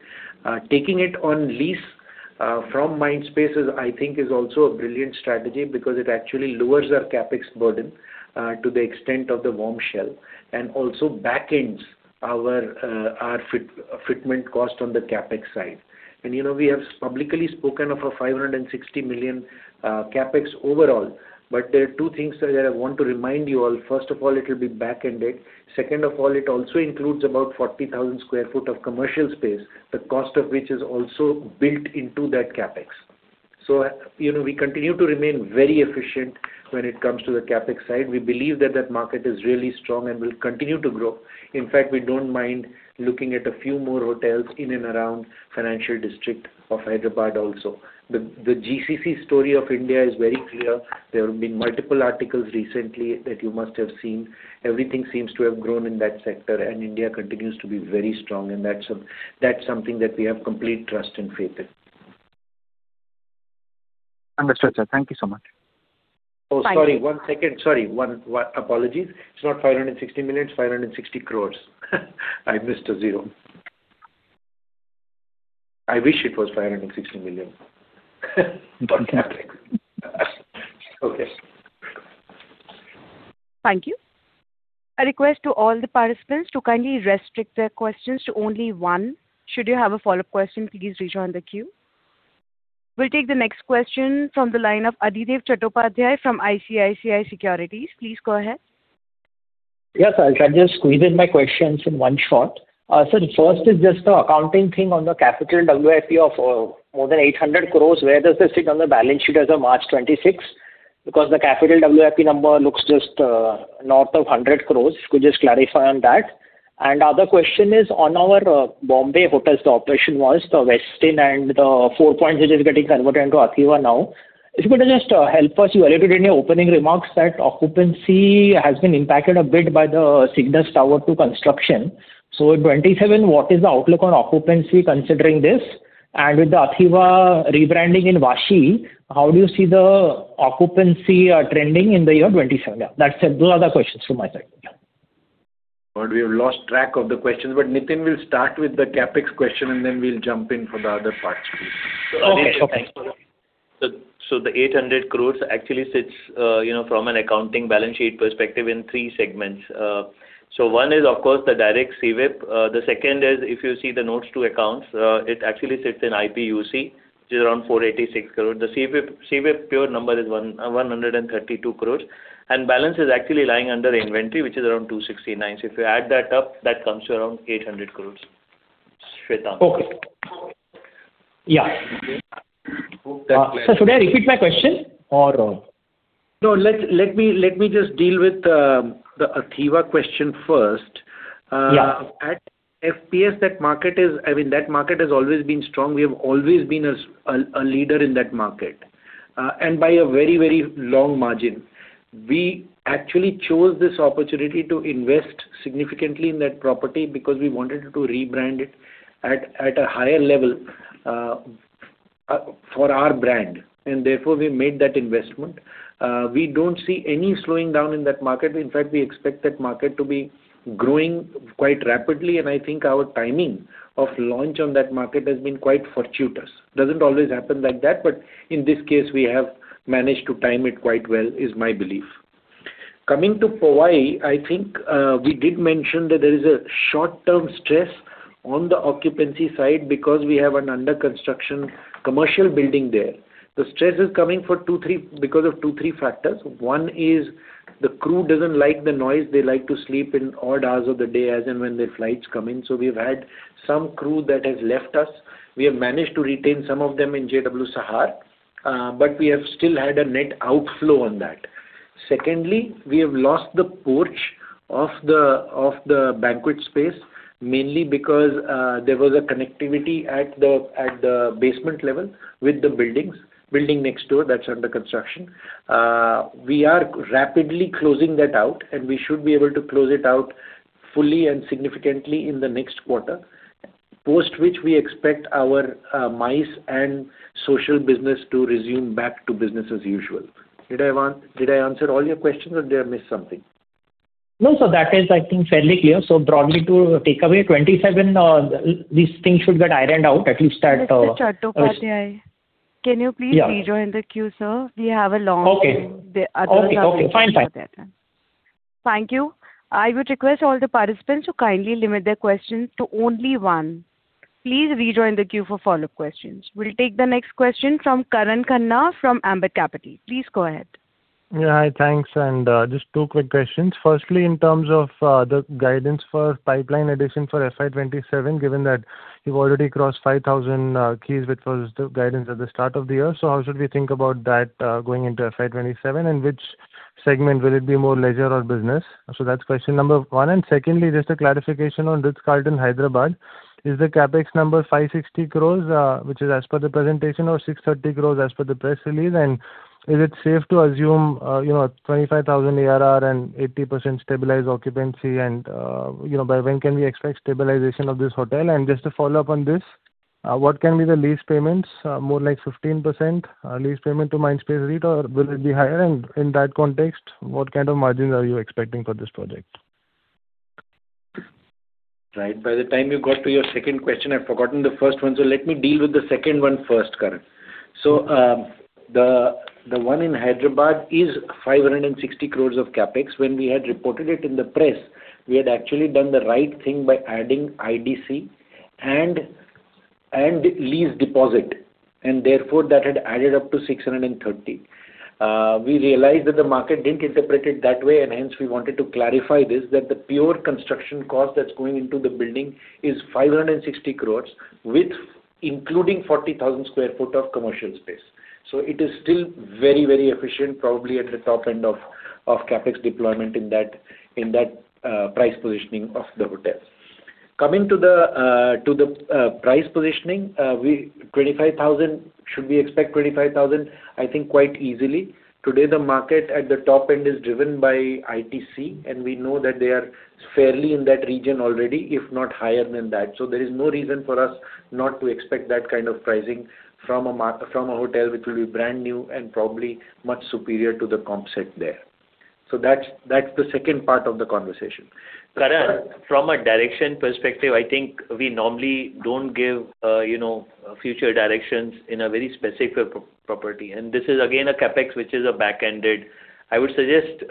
Taking it on lease from Mindspace is, I think, is also a brilliant strategy because it actually lowers our CapEx burden to the extent of the warm shell and also backends our fitment cost on the CapEx side. You know, we have publicly spoken of a 560 million CapEx overall, but there are two things that I want to remind you all. First of all, it will be backended. Second of all, it also includes about 40,000 sq ft of commercial space, the cost of which is also built into that CapEx. You know, we continue to remain very efficient when it comes to the CapEx side. We believe that that market is really strong and will continue to grow. In fact, we don't mind looking at a few more hotels in and around financial district of Hyderabad also. The GCC story of India is very clear. There have been multiple articles recently that you must have seen. Everything seems to have grown in that sector, and India continues to be very strong, and that's something that we have complete trust and faith in. Understood, sir. Thank you so much. Oh, sorry. One second. Sorry. One, one Apologies. It's not 560 million, it's 560 crores. I missed a zero. I wish it was 560 million for CapEx. Okay. Thank you. A request to all the participants to kindly restrict their questions to only one. Should you have a follow-up question, please rejoin the queue. We will take the next question from the line of Adhidev Chattopadhyay from ICICI Securities. Please go ahead. Yes. I'll try to squeeze in my questions in one shot. The first is just the accounting thing on the Capital WIP of more than 800 crores. Where does this sit on the balance sheet as of March 26th? Because the Capital WIP number looks just north of 100 crores. Could you just clarify on that? Other question is on our Bombay hotels, the operation-wise, the Westin and the Four Points which is getting converted into Athiva now. If you could just help us, you alluded in your opening remarks that occupancy has been impacted a bit by the Cignus II construction. In 2027, what is the outlook on occupancy considering this? With the Athiva rebranding in Vashi, how do you see the occupancy trending in the year 2027? That's it. Those are the questions from my side. Yeah. We have lost track of the questions, but Nitin will start with the CapEx question, and then we'll jump in for the other parts please. Okay. Thanks for that. The 800 crores actually sits, you know, from an accounting balance sheet perspective in three segments. One is, of course, the direct CWIP. The second is if you see the notes to accounts, it actually sits in IPUC, which is around 486 crore. The CWIP pure number is 132 crores, and balance is actually lying under inventory, which is around 269. If you add that up, that comes to around 800 crores, Shwetank. Okay. Yeah. Hope that clarifies. Should I repeat my question or? No, let me just deal with the Athiva question first. Yeah. At FPS that market has always been strong. We have always been a leader in that market, and by a very long margin. We actually chose this opportunity to invest significantly in that property because we wanted to rebrand it at a higher level for our brand, and therefore we made that investment. We don't see any slowing down in that market. In fact, we expect that market to be growing quite rapidly, and I think our timing of launch on that market has been quite fortuitous. Doesn't always happen like that, but in this case we have managed to time it quite well, is my belief. Coming to Powai, I think we did mention that there is a short-term stress on the occupancy side because we have an under construction commercial building there. The stress is coming because of two, three factors. One is the crew doesn't like the noise. They like to sleep in odd hours of the day as and when their flights come in. We've had some crew that has left us. We have managed to retain some of them in JW Sahar, but we have still had a net outflow on that. Secondly, we have lost the porch of the banquet space, mainly because there was a connectivity at the basement level with the building next door that's under construction. We are rapidly closing that out, and we should be able to close it out fully and significantly in the next quarter, post which we expect our MICE and social business to resume back to business as usual. Did I answer all your questions or did I miss something? No, sir. That is, I think, fairly clear. Broadly to take away, 2027, these things should get ironed out. Mr. Chattopadhyay, can you please? Yeah. -rejoin the queue, sir? We have a long- Okay. The others have questions also. Okay. Okay. Fine. Fine. Thank you. I would request all the participants to kindly limit their questions to only one. Please rejoin the queue for follow-up questions. We'll take the next question from Karan Khanna from Ambit Capital. Please go ahead. Yeah, hi. Thanks, just two quick questions. Firstly, in terms of the guidance for pipeline addition for FY 2027, given that you've already crossed 5,000 keys, which was the guidance at the start of the year. How should we think about that going into FY 2027, which segment will it be more leisure or business? That's question number one. Secondly, just a clarification on Ritz-Carlton Hyderabad. Is the CapEx number 560 crore, which is as per the presentation or 630 crore as per the press release? Is it safe to assume, you know, 25,000 ARR and 80% stabilized occupancy and, you know, by when can we expect stabilization of this hotel? Just to follow up on this, what can be the lease payments? More like 15%, lease payment to Mindspace Business Parks REIT, or will it be higher? In that context, what kind of margins are you expecting for this project? Right. By the time you got to your second question, I've forgotten the first one, so let me deal with the second one first, Karan. The one in Hyderabad is 560 crores of CapEx. When we had reported it in the press, we had actually done the right thing by adding IDC and lease deposit, and therefore that had added up to 630. We realized that the market didn't interpret it that way, and hence we wanted to clarify this, that the pure construction cost that's going into the building is 560 crores with including 40,000 sq ft of commercial space. It is still very efficient, probably at the top end of CapEx deployment in that price positioning of the hotel. Coming to the price positioning, 25,000, should we expect 25,000? I think quite easily. Today, the market at the top end is driven by ITC, we know that they are fairly in that region already, if not higher than that. There is no reason for us not to expect that kind of pricing from a from a hotel which will be brand new and probably much superior to the comp set there. That's, that's the second part of the conversation. Karan, from a direction perspective, I think we normally don't give, you know, future directions in a very specific property. This is again a CapEx, which is a back-ended. I would suggest,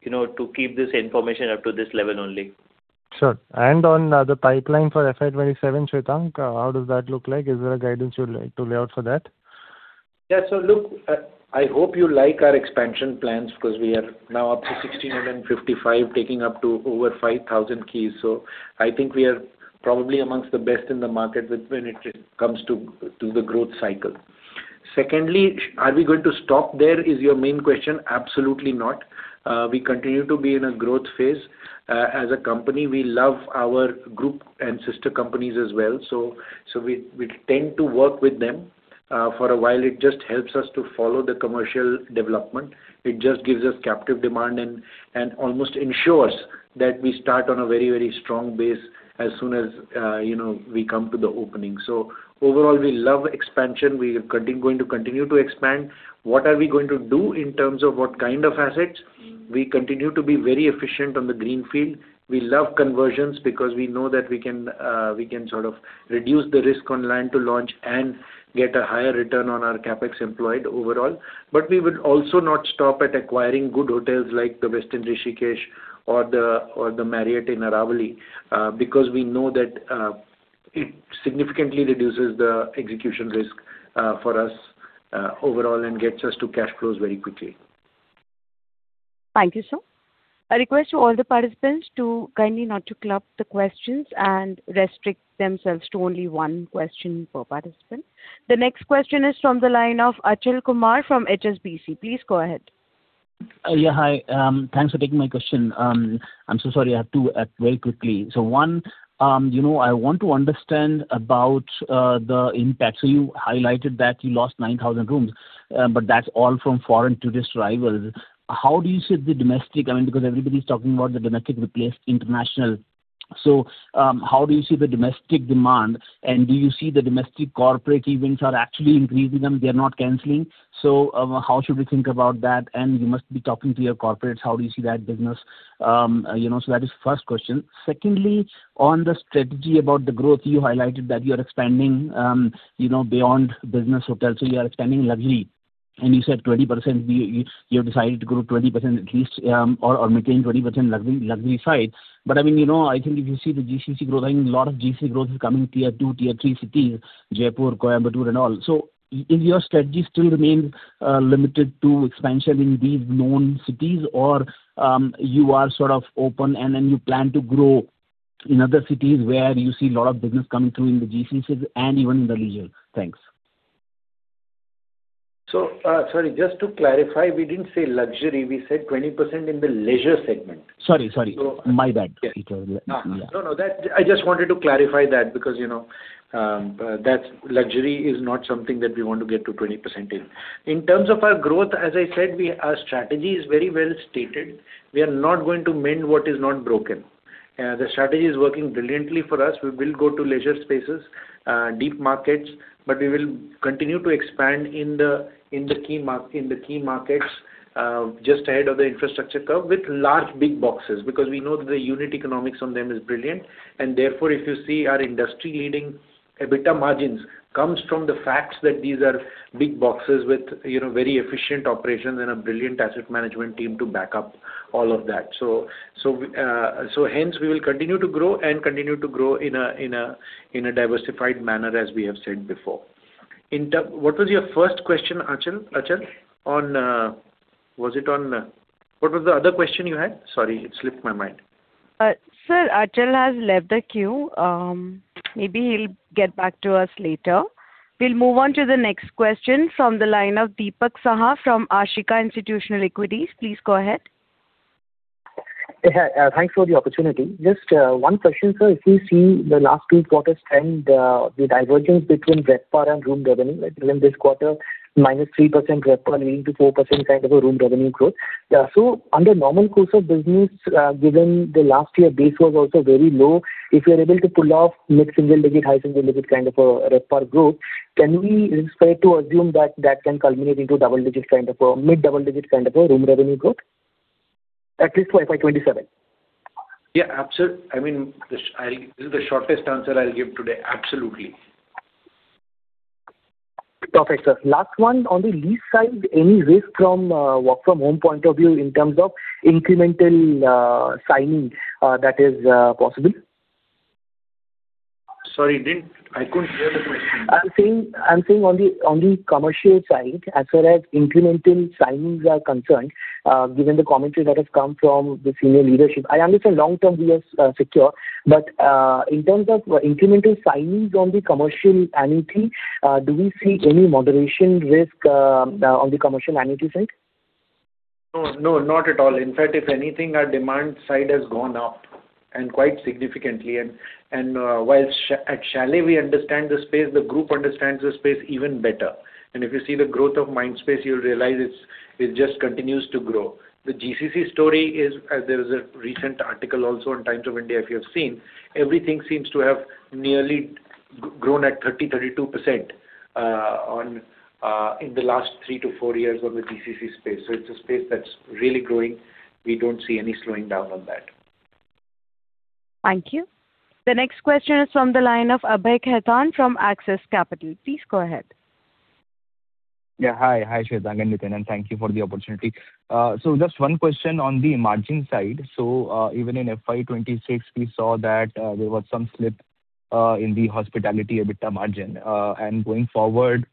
you know, to keep this information up to this level only. Sure. On the pipeline for FY 2027, Shwetank, how does that look like? Is there a guidance you would like to lay out for that? Yeah. Look, I hope you like our expansion plans because we are now up to 1,655, taking up to over 5,000 keys. I think we are probably amongst the best in the market when it comes to the growth cycle. Secondly, are we going to stop there, is your main question. Absolutely not. We continue to be in a growth phase. As a company, we love our group and sister companies as well. We tend to work with them for a while. It just helps us to follow the commercial development. It just gives us captive demand and almost ensures that we start on a very, very strong base as soon as, you know, we come to the opening. Overall, we love expansion. We are going to continue to expand. What are we going to do in terms of what kind of assets? We continue to be very efficient on the greenfield. We love conversions because we know that we can, we can sort of reduce the risk on land to launch and get a higher return on our CapEx employed overall. We will also not stop at acquiring good hotels like the Westin Rishikesh or the, or the Marriott in Aravali, because we know that it significantly reduces the execution risk for us overall and gets us to cash flows very quickly. Thank you, sir. A request to all the participants to kindly not to club the questions and restrict themselves to only one question per participant. The next question is from the line of Achal Kumar from HSBC. Please go ahead. Hi. Thanks for taking my question. I'm so sorry. I have to very quickly. You know, I want to understand about the impact. You highlighted that you lost 9,000 rooms, but that's all from foreign tourist arrivals. How do you see the domestic? I mean, because everybody's talking about the domestic replace international. How do you see the domestic demand, and do you see the domestic corporate events are actually increasing and they are not canceling? How should we think about that? You must be talking to your corporates. How do you see that business? You know, that is first question. Secondly, on the strategy about the growth, you highlighted that you are expanding, you know, beyond business hotels, so you are expanding luxury, and you said 20% you have decided to grow 20% at least, or maintain 20% luxury side. I mean, you know, I think if you see the GCC growth, I mean, a lot of GCC growth is coming Tier 2, Tier 3 cities, Jaipur, Coimbatore and all. So is your strategy still remain limited to expansion in these known cities or you are sort of open and then you plan to grow in other cities where you see a lot of business coming through in the GCCs and even in the leisure? Thanks. Sorry, just to clarify, we didn't say luxury. We said 20% in the leisure segment. Sorry. So- My bad. Yeah. No, I just wanted to clarify that because, you know, luxury is not something that we want to get to 20% in. In terms of our growth, as I said, our strategy is very well stated. We are not going to mend what is not broken. The strategy is working brilliantly for us. We will go to leisure spaces, deep markets, but we will continue to expand in the key markets just ahead of the infrastructure curve with large big boxes, because we know that the unit economics on them is brilliant. Therefore, if you see our industry leading EBITDA margins comes from the fact that these are big boxes with, you know, very efficient operations and a brilliant asset management team to back up all of that. Hence we will continue to grow and continue to grow in a diversified manner as we have said before. What was your first question, Achal? Was it on What was the other question you had? Sorry, it slipped my mind. Sir, Achal has left the queue. Maybe he'll get back to us later. We'll move on to the next question from the line of Dipak Saha from Ashika Institutional Equities. Please go ahead. Yeah. Thanks for the opportunity. Just one question, sir. If we see the last two quarters and the divergence between RevPAR and room revenue, like in this quarter, -3% RevPAR leading to 4% kind of a room revenue growth. Under normal course of business, given the last year base was also very low, if you are able to pull off mid-single digit, high single digit kind of a RevPAR growth, can we be fair to assume that that can culminate into double-digit kind of a mid-double digit kind of a room revenue growth, at least for FY 2027? Yeah, I mean, this is the shortest answer I'll give today. Absolutely. Perfect, sir. Last one. On the lease side, any risk from work-from-home point of view in terms of incremental signing that is possible? Sorry, I couldn't hear the question. I'm saying on the commercial side, as far as incremental signings are concerned, given the commentary that has come from the senior leadership. I understand long term we are secure, but in terms of incremental signings on the commercial annuity, do we see any moderation risk on the commercial annuity side? No, no, not at all. In fact, if anything, our demand side has gone up, and quite significantly. While at Chalet we understand the space, the group understands the space even better. If you see the growth of Mindspace, you'll realize it's, it just continues to grow. The GCC story is, there is a recent article also on The Times of India if you have seen, everything seems to have nearly grown at 30%-32%, on, in the last three to four years on the GCC space. It's a space that's really growing. We don't see any slowing down on that. Thank you. The next question is from the line of Abhay Khaitan from Axis Capital. Please go ahead. Hi. Hi, Shwetank and Nitin, thank you for the opportunity. Just one question on the margin side. Even in FY 2026, we saw that there was some slip in the hospitality EBITDA margin. Going forward,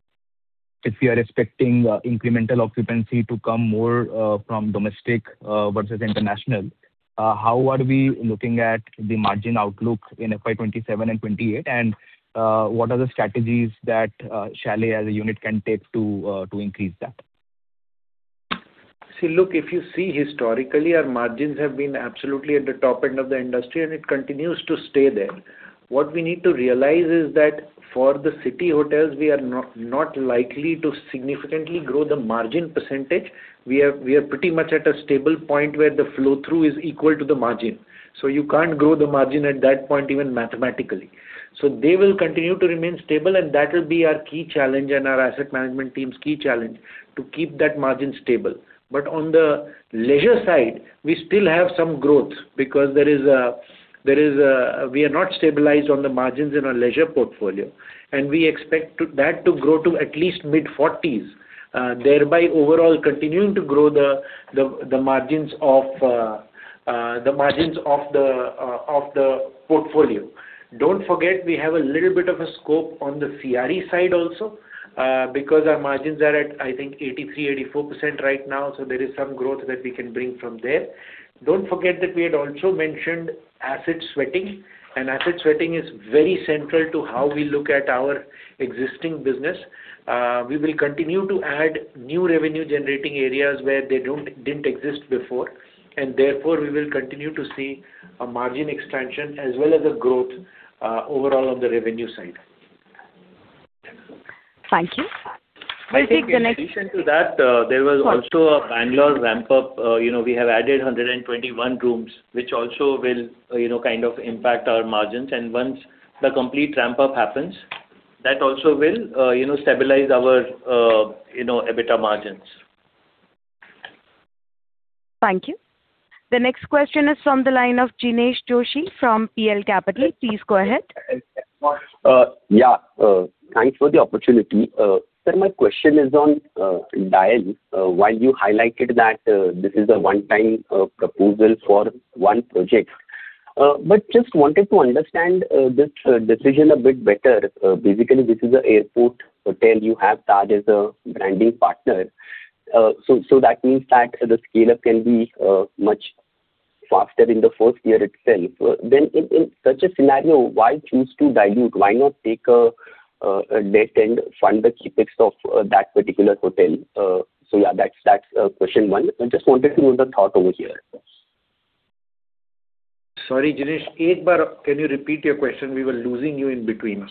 if we are expecting incremental occupancy to come more from domestic versus international, how are we looking at the margin outlook in FY 2027 and 2028? What are the strategies that Chalet as a unit can take to increase that? If you see historically, our margins have been absolutely at the top end of the industry, and it continues to stay there. What we need to realize is that for the city hotels, we are not likely to significantly grow the margin percentage. We are pretty much at a stable point where the flow-through is equal to the margin. You can't grow the margin at that point, even mathematically. They will continue to remain stable, and that will be our key challenge and our asset management team's key challenge to keep that margin stable. On the leisure side, we still have some growth because we are not stabilized on the margins in our leisure portfolio, and we expect that to grow to at least mid-40s, thereby overall continuing to grow the margins of the portfolio. Don't forget we have a little bit of a scope on the CRE side also, because our margins are at, I think, 83%, 84% right now, so there is some growth that we can bring from there. Don't forget that we had also mentioned asset sweating. Asset sweating is very central to how we look at our existing business. We will continue to add new revenue-generating areas where they didn't exist before, and therefore we will continue to see a margin expansion as well as a growth overall on the revenue side. Thank you. We'll take the next- I think in addition to that, there was also a Bangalore ramp up. You know, we have added 121 rooms, which also will, you know, kind of impact our margins. Once the complete ramp up happens, that also will, you know, stabilize our, you know, EBITDA margins. Thank you. The next question is from the line of Jinesh Joshi from PL Capital. Please go ahead. Yeah. Thanks for the opportunity. Sir, my question is on DIAL. While you highlighted that this is a one-time proposal for one project, just wanted to understand this decision a bit better. Basically this is a airport hotel you have Taj as a branding partner. That means that the scale-up can be much faster in the first year itself. In such a scenario, why choose to dilute? Why not take a debt and fund the CapEx of that particular hotel? Yeah, that's question one. I just wanted to know the thought over here. Sorry, Jinesh. Ek baar can you repeat your question? We were losing you in between.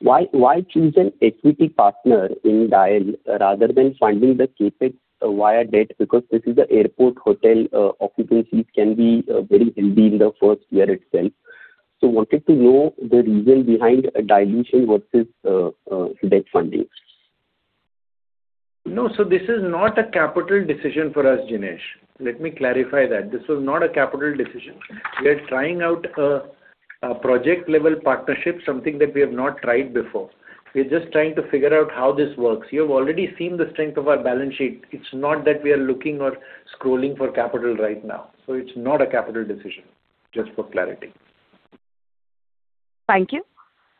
Why choose an equity partner in DIAL rather than funding the CapEx via debt? This is a airport hotel, occupancies can be very healthy in the first year itself. Wanted to know the reason behind a dilution versus debt funding. No. This is not a capital decision for us, Jinesh. Let me clarify that. This was not a capital decision. We are trying out a project-level partnership, something that we have not tried before. We are just trying to figure out how this works. You have already seen the strength of our balance sheet. It's not that we are looking or scrolling for capital right now. It's not a capital decision. Just for clarity. Thank you.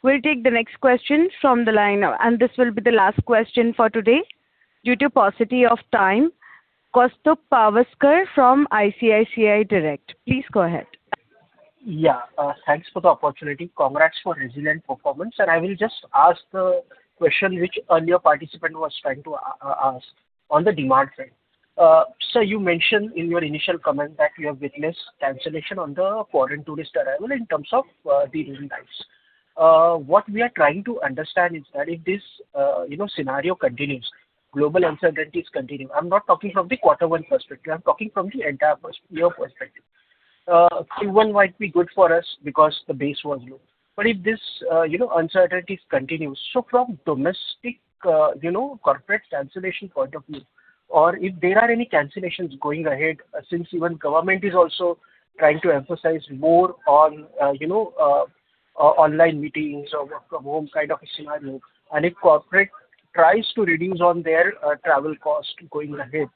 We'll take the next question from the line. This will be the last question for today due to paucity of time. Kaustubh Pawaskar from ICICI Direct. Please go ahead. Thanks for the opportunity. Congrats for resilient performance. I will just ask the question which earlier participant was trying to ask on the demand side. Sir, you mentioned in your initial comment that you have witnessed cancellation on the foreign tourist arrival in terms of the recent times. What we are trying to understand is that if this, you know, scenario continues, global uncertainties continue. I'm not talking from the Q1 perspective. I'm talking from the entire year perspective. Q1 might be good for us because the base was low. If this, you know, uncertainties continues, from domestic, you know, corporate cancellation point of view or if there are any cancellations going ahead, since even government is also trying to emphasize more on, you know, online meetings or work from home kind of a scenario, and if corporate tries to reduce on their travel cost going ahead.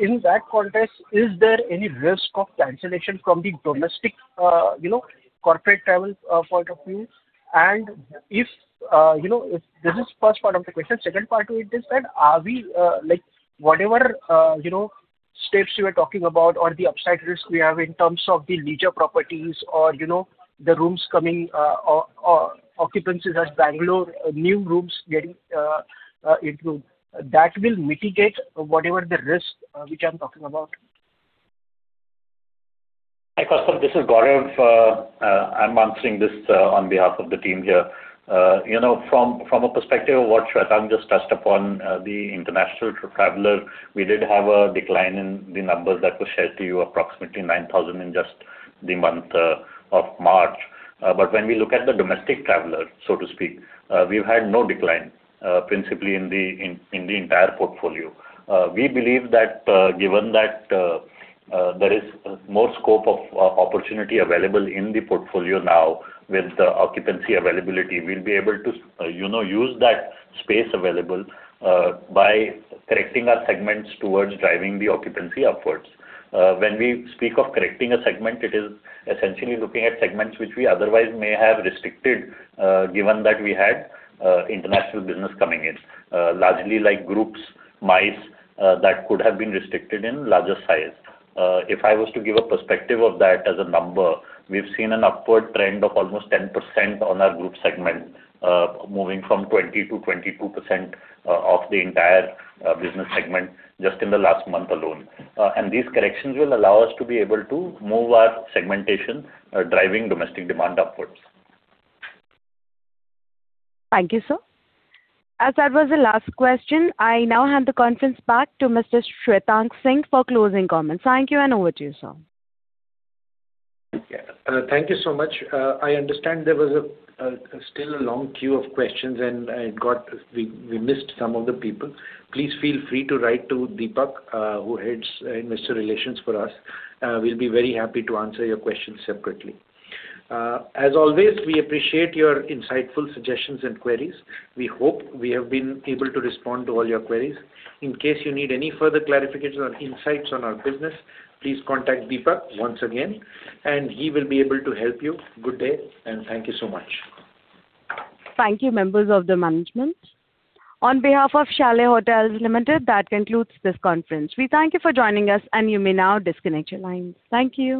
In that context, is there any risk of cancellation from the domestic, you know, corporate travel point of view? If, you know, if This is first part of the question. Second part to it is that are we, like, whatever, you know, steps you were talking about or the upside risk we have in terms of the leisure properties or, you know, the rooms coming or occupancies at Bangalore, new rooms getting into. That will mitigate whatever the risk, which I'm talking about? Hi, Kaustubh. This is Gaurav. I'm answering this on behalf of the team here. You know, from a perspective of what Shwetank just touched upon, the international traveler, we did have a decline in the numbers that were shared to you, approximately 9,000 in just the month of March. When we look at the domestic traveler, so to speak, we've had no decline, principally in the entire portfolio. We believe that, given that, there is more scope of opportunity available in the portfolio now with the occupancy availability, we'll be able to, you know, use that space available, by correcting our segments towards driving the occupancy upwards. When we speak of correcting a segment, it is essentially looking at segments which we otherwise may have restricted, given that we had international business coming in. Largely like groups, MICE, that could have been restricted in larger size. If I was to give a perspective of that as a number, we've seen an upward trend of almost 10% on our group segment, moving from 20%-22% of the entire business segment just in the last month alone. These corrections will allow us to be able to move our segmentation, driving domestic demand upwards. Thank you, sir. As that was the last question, I now hand the conference back to Mr. Shwetank Singh for closing comments. Thank you, and over to you, sir. Yeah. Thank you so much. I understand there was still a long queue of questions and we missed some of the people. Please feel free to write to Deepak, who heads investor relations for us. We'll be very happy to answer your questions separately. As always, we appreciate your insightful suggestions and queries. We hope we have been able to respond to all your queries. In case you need any further clarification or insights on our business, please contact Deepak once again, and he will be able to help you. Good day, and thank you so much. Thank you, members of the management. On behalf of Chalet Hotels Limited, that concludes this conference. We thank you for joining us, and you may now disconnect your lines. Thank you.